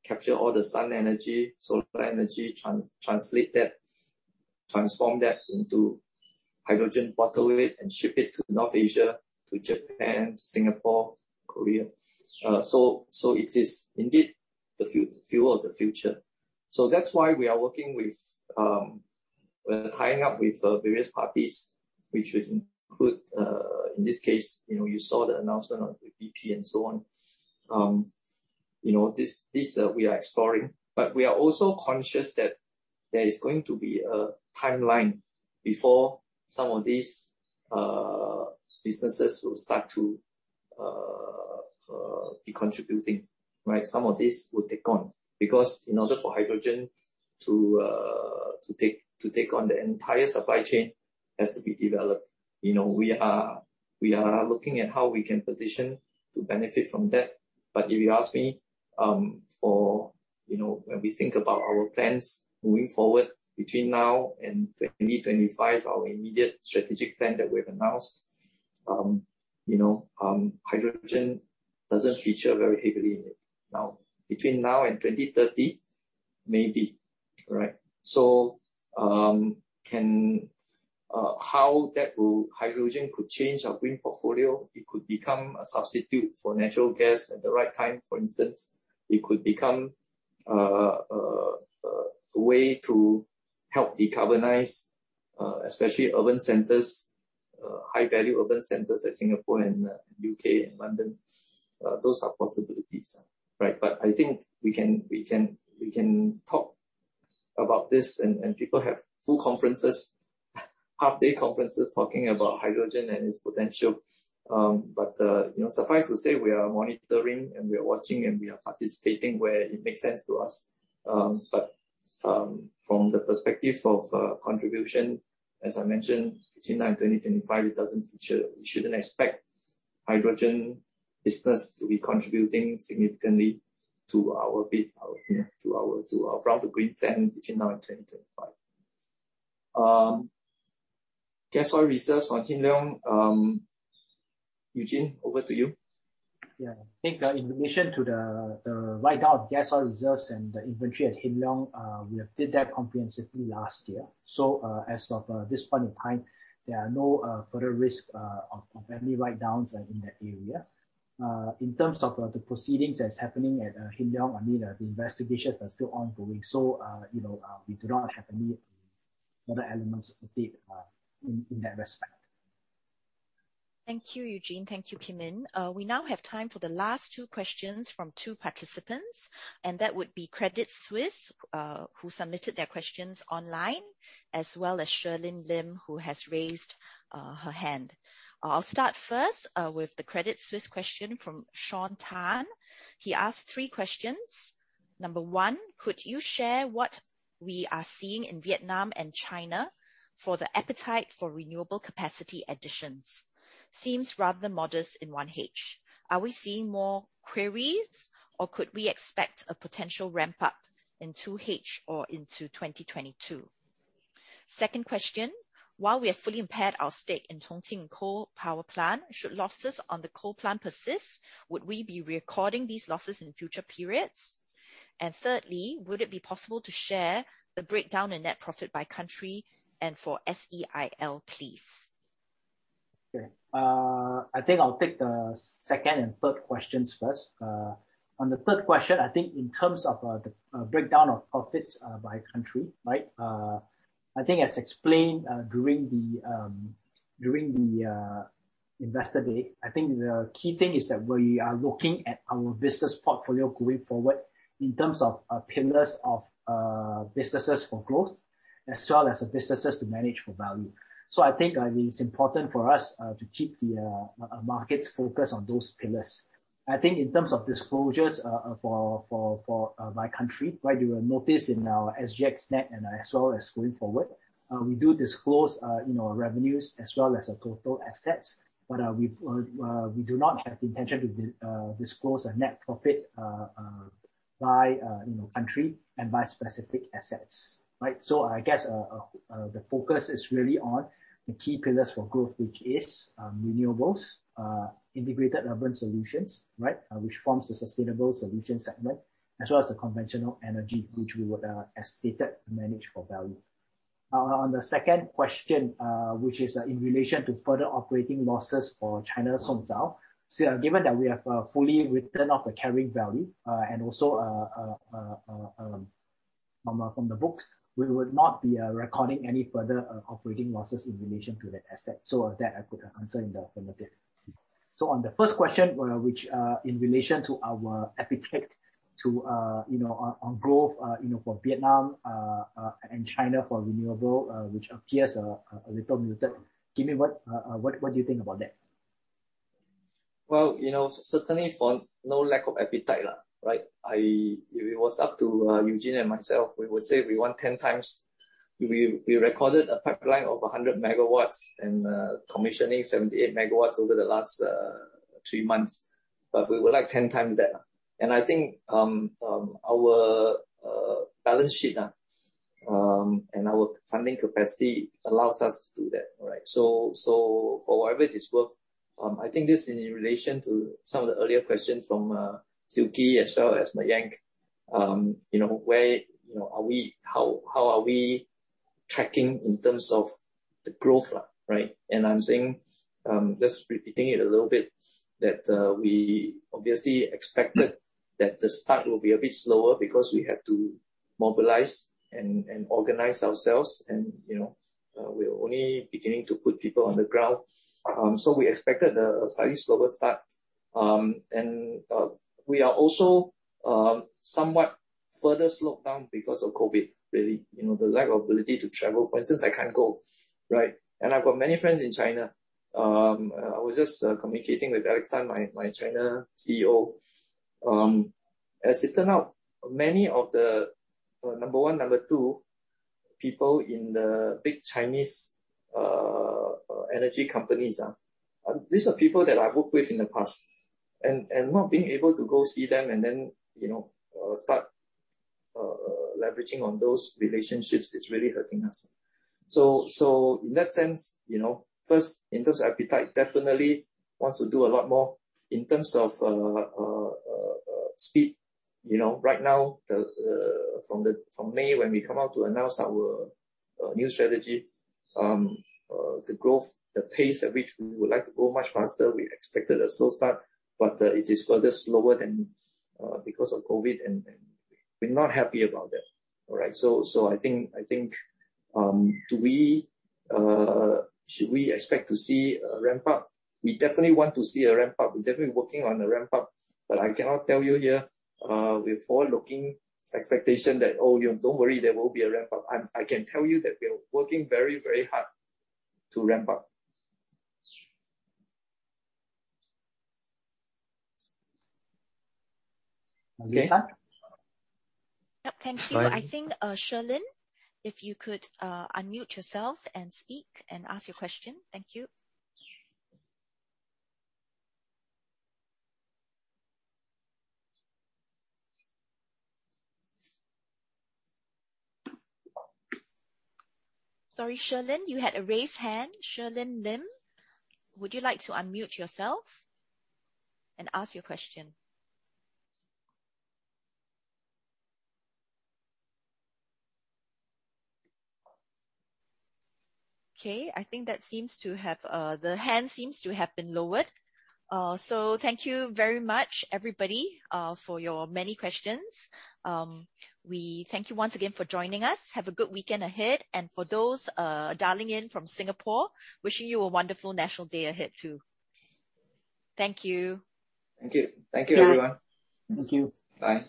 capture all the sun energy, solar energy, transform that into hydrogen, bottle it, and ship it to North Asia, to Japan, to Singapore, Korea. It is indeed the fuel of the future. That's why we are working with tying up with various parties, which would include, in this case, you saw the announcement with BP and so on. This, we are exploring, but we are also conscious that there is going to be a timeline before some of these businesses will start to be contributing. Right? Some of this would take time. Because in order for hydrogen to take on the entire supply chain has to be developed. We are looking at how we can position to benefit from that. If you ask me, when we think about our plans moving forward between now and 2025, our immediate strategic plan that we've announced, hydrogen doesn't feature very heavily in it now. Between now and 2030, maybe. Right. How that hydrogen could change our green portfolio, it could become a substitute for natural gas at the right time, for instance. It could become a way to help decarbonize, especially urban centers, high-value urban centers like Singapore and U.K. and London. Those are possibilities. Right. I think we can talk about this, and people have full conferences, half-day conferences talking about hydrogen and its potential. Suffice to say, we are monitoring, and we are watching, and we are participating where it makes sense to us. From the perspective of contribution, as I mentioned, between now and 2025, it doesn't feature. We shouldn't expect hydrogen business to be contributing significantly to our brown-to-green plan between now and 2025. Gas oil reserves on Hin Leong. Eugene, over to you. Yeah. I think in addition to the write-down of gas oil reserves and the inventory at Hin Leong, we have did that comprehensively last year. As of this point in time, there are no further risk of any write-downs in that area. In terms of the proceedings that's happening at Hin Leong, the investigations are still ongoing. We do not have any further elements to update in that respect Thank you, Eugene. Thank you, Kim Yin. We now have time for the last two questions from two participants, and that would be Credit Suisse, who submitted their questions online, as well as Cherlyn Lim, who has raised her hand. I'll start first with the Credit Suisse question from Shaun Tan. He asked three questions. Number one, could you share what we are seeing in Vietnam and China for the appetite for renewable capacity additions? Seems rather modest in 1H. Are we seeing more queries, or could we expect a potential ramp-up in 2H or into 2022? Second question, while we have fully impaired our stake in Chongqing coal power plant, should losses on the coal plant persist, would we be recording these losses in future periods? Thirdly, would it be possible to share the breakdown in net profit by country and for SEIL, please? Okay. I think I'll take the second and third questions first. On the third question, I think in terms of the breakdown of profits by country, I think as explained during the Investor Day, I think the key thing is that we are looking at our business portfolio going forward in terms of pillars of businesses for growth as well as businesses to manage for value. I think it's important for us to keep the market's focus on those pillars. I think in terms of disclosures by country, you will notice in our SGXNet and as well as going forward, we do disclose our revenues as well as our total assets. We do not have the intention to disclose our net profit by country and by specific assets. I guess the focus is really on the key pillars for growth, which is renewables, integrated urban solutions which forms the sustainable solutions segment, as well as the conventional energy, which we would, as stated, manage for value. On the second question, which is in relation to further operating losses for China Songzao. Given that we have fully written off the carrying value and also from the books, we would not be recording any further operating losses in relation to that asset. That I put an answer in the affirmative. On the first question, which in relation to our appetite on growth for Vietnam and China for renewable, which appears a little muted. Kim Yin, what do you think about that? Well, certainly for no lack of appetite. If it was up to Eugene and myself, we would say we want 10 times. We recorded a pipeline of 100 MW and commissioning 78 MW over the last three months, but we would like 10 times that. I think our balance sheet and our funding capacity allows us to do that. For whatever it is worth, I think this in relation to some of the earlier questions from Siew Khee as well as Mayank, how are we tracking in terms of the growth? I'm saying, just repeating it a little bit, that we obviously expected that the start will be a bit slower because we have to mobilize and organize ourselves and we're only beginning to put people on the ground. We expected a slightly slower start. We are also somewhat further slowed down because of COVID-19, really. The lack of ability to travel. For instance, I can't go. I've got many friends in China. I was just communicating with Alexander, my China CEO. As it turned out, many of the number one, number two people in the big Chinese energy companies, these are people that I've worked with in the past. Not being able to go see them and then start leveraging on those relationships is really hurting us. In that sense, first, in terms of appetite, definitely wants to do a lot more. In terms of speed, right now, from May, when we come out to announce our new strategy, the growth, the pace at which we would like to go much faster, we expected a slow start, but it is further slower because of COVID-19, and we're not happy about that. I think, should we expect to see a ramp-up? We definitely want to see a ramp-up. We're definitely working on a ramp-up. I cannot tell you here with forward-looking expectation that, oh, don't worry, there will be a ramp-up. I can tell you that we are working very hard to ramp up. Lisa? Yep, thank you. I think, Sherlyn, if you could unmute yourself and speak and ask your question. Thank you. Sorry, Sherlyn, you had a raised hand. Sherlyn Lim, would you like to unmute yourself and ask your question? Okay, I think the hand seems to have been lowered. Thank you very much, everybody, for your many questions. We thank you once again for joining us. Have a good weekend ahead. For those dialing in from Singapore, wishing you a wonderful National Day ahead too. Thank you. Thank you. Thank you, everyone. Thank you. Bye.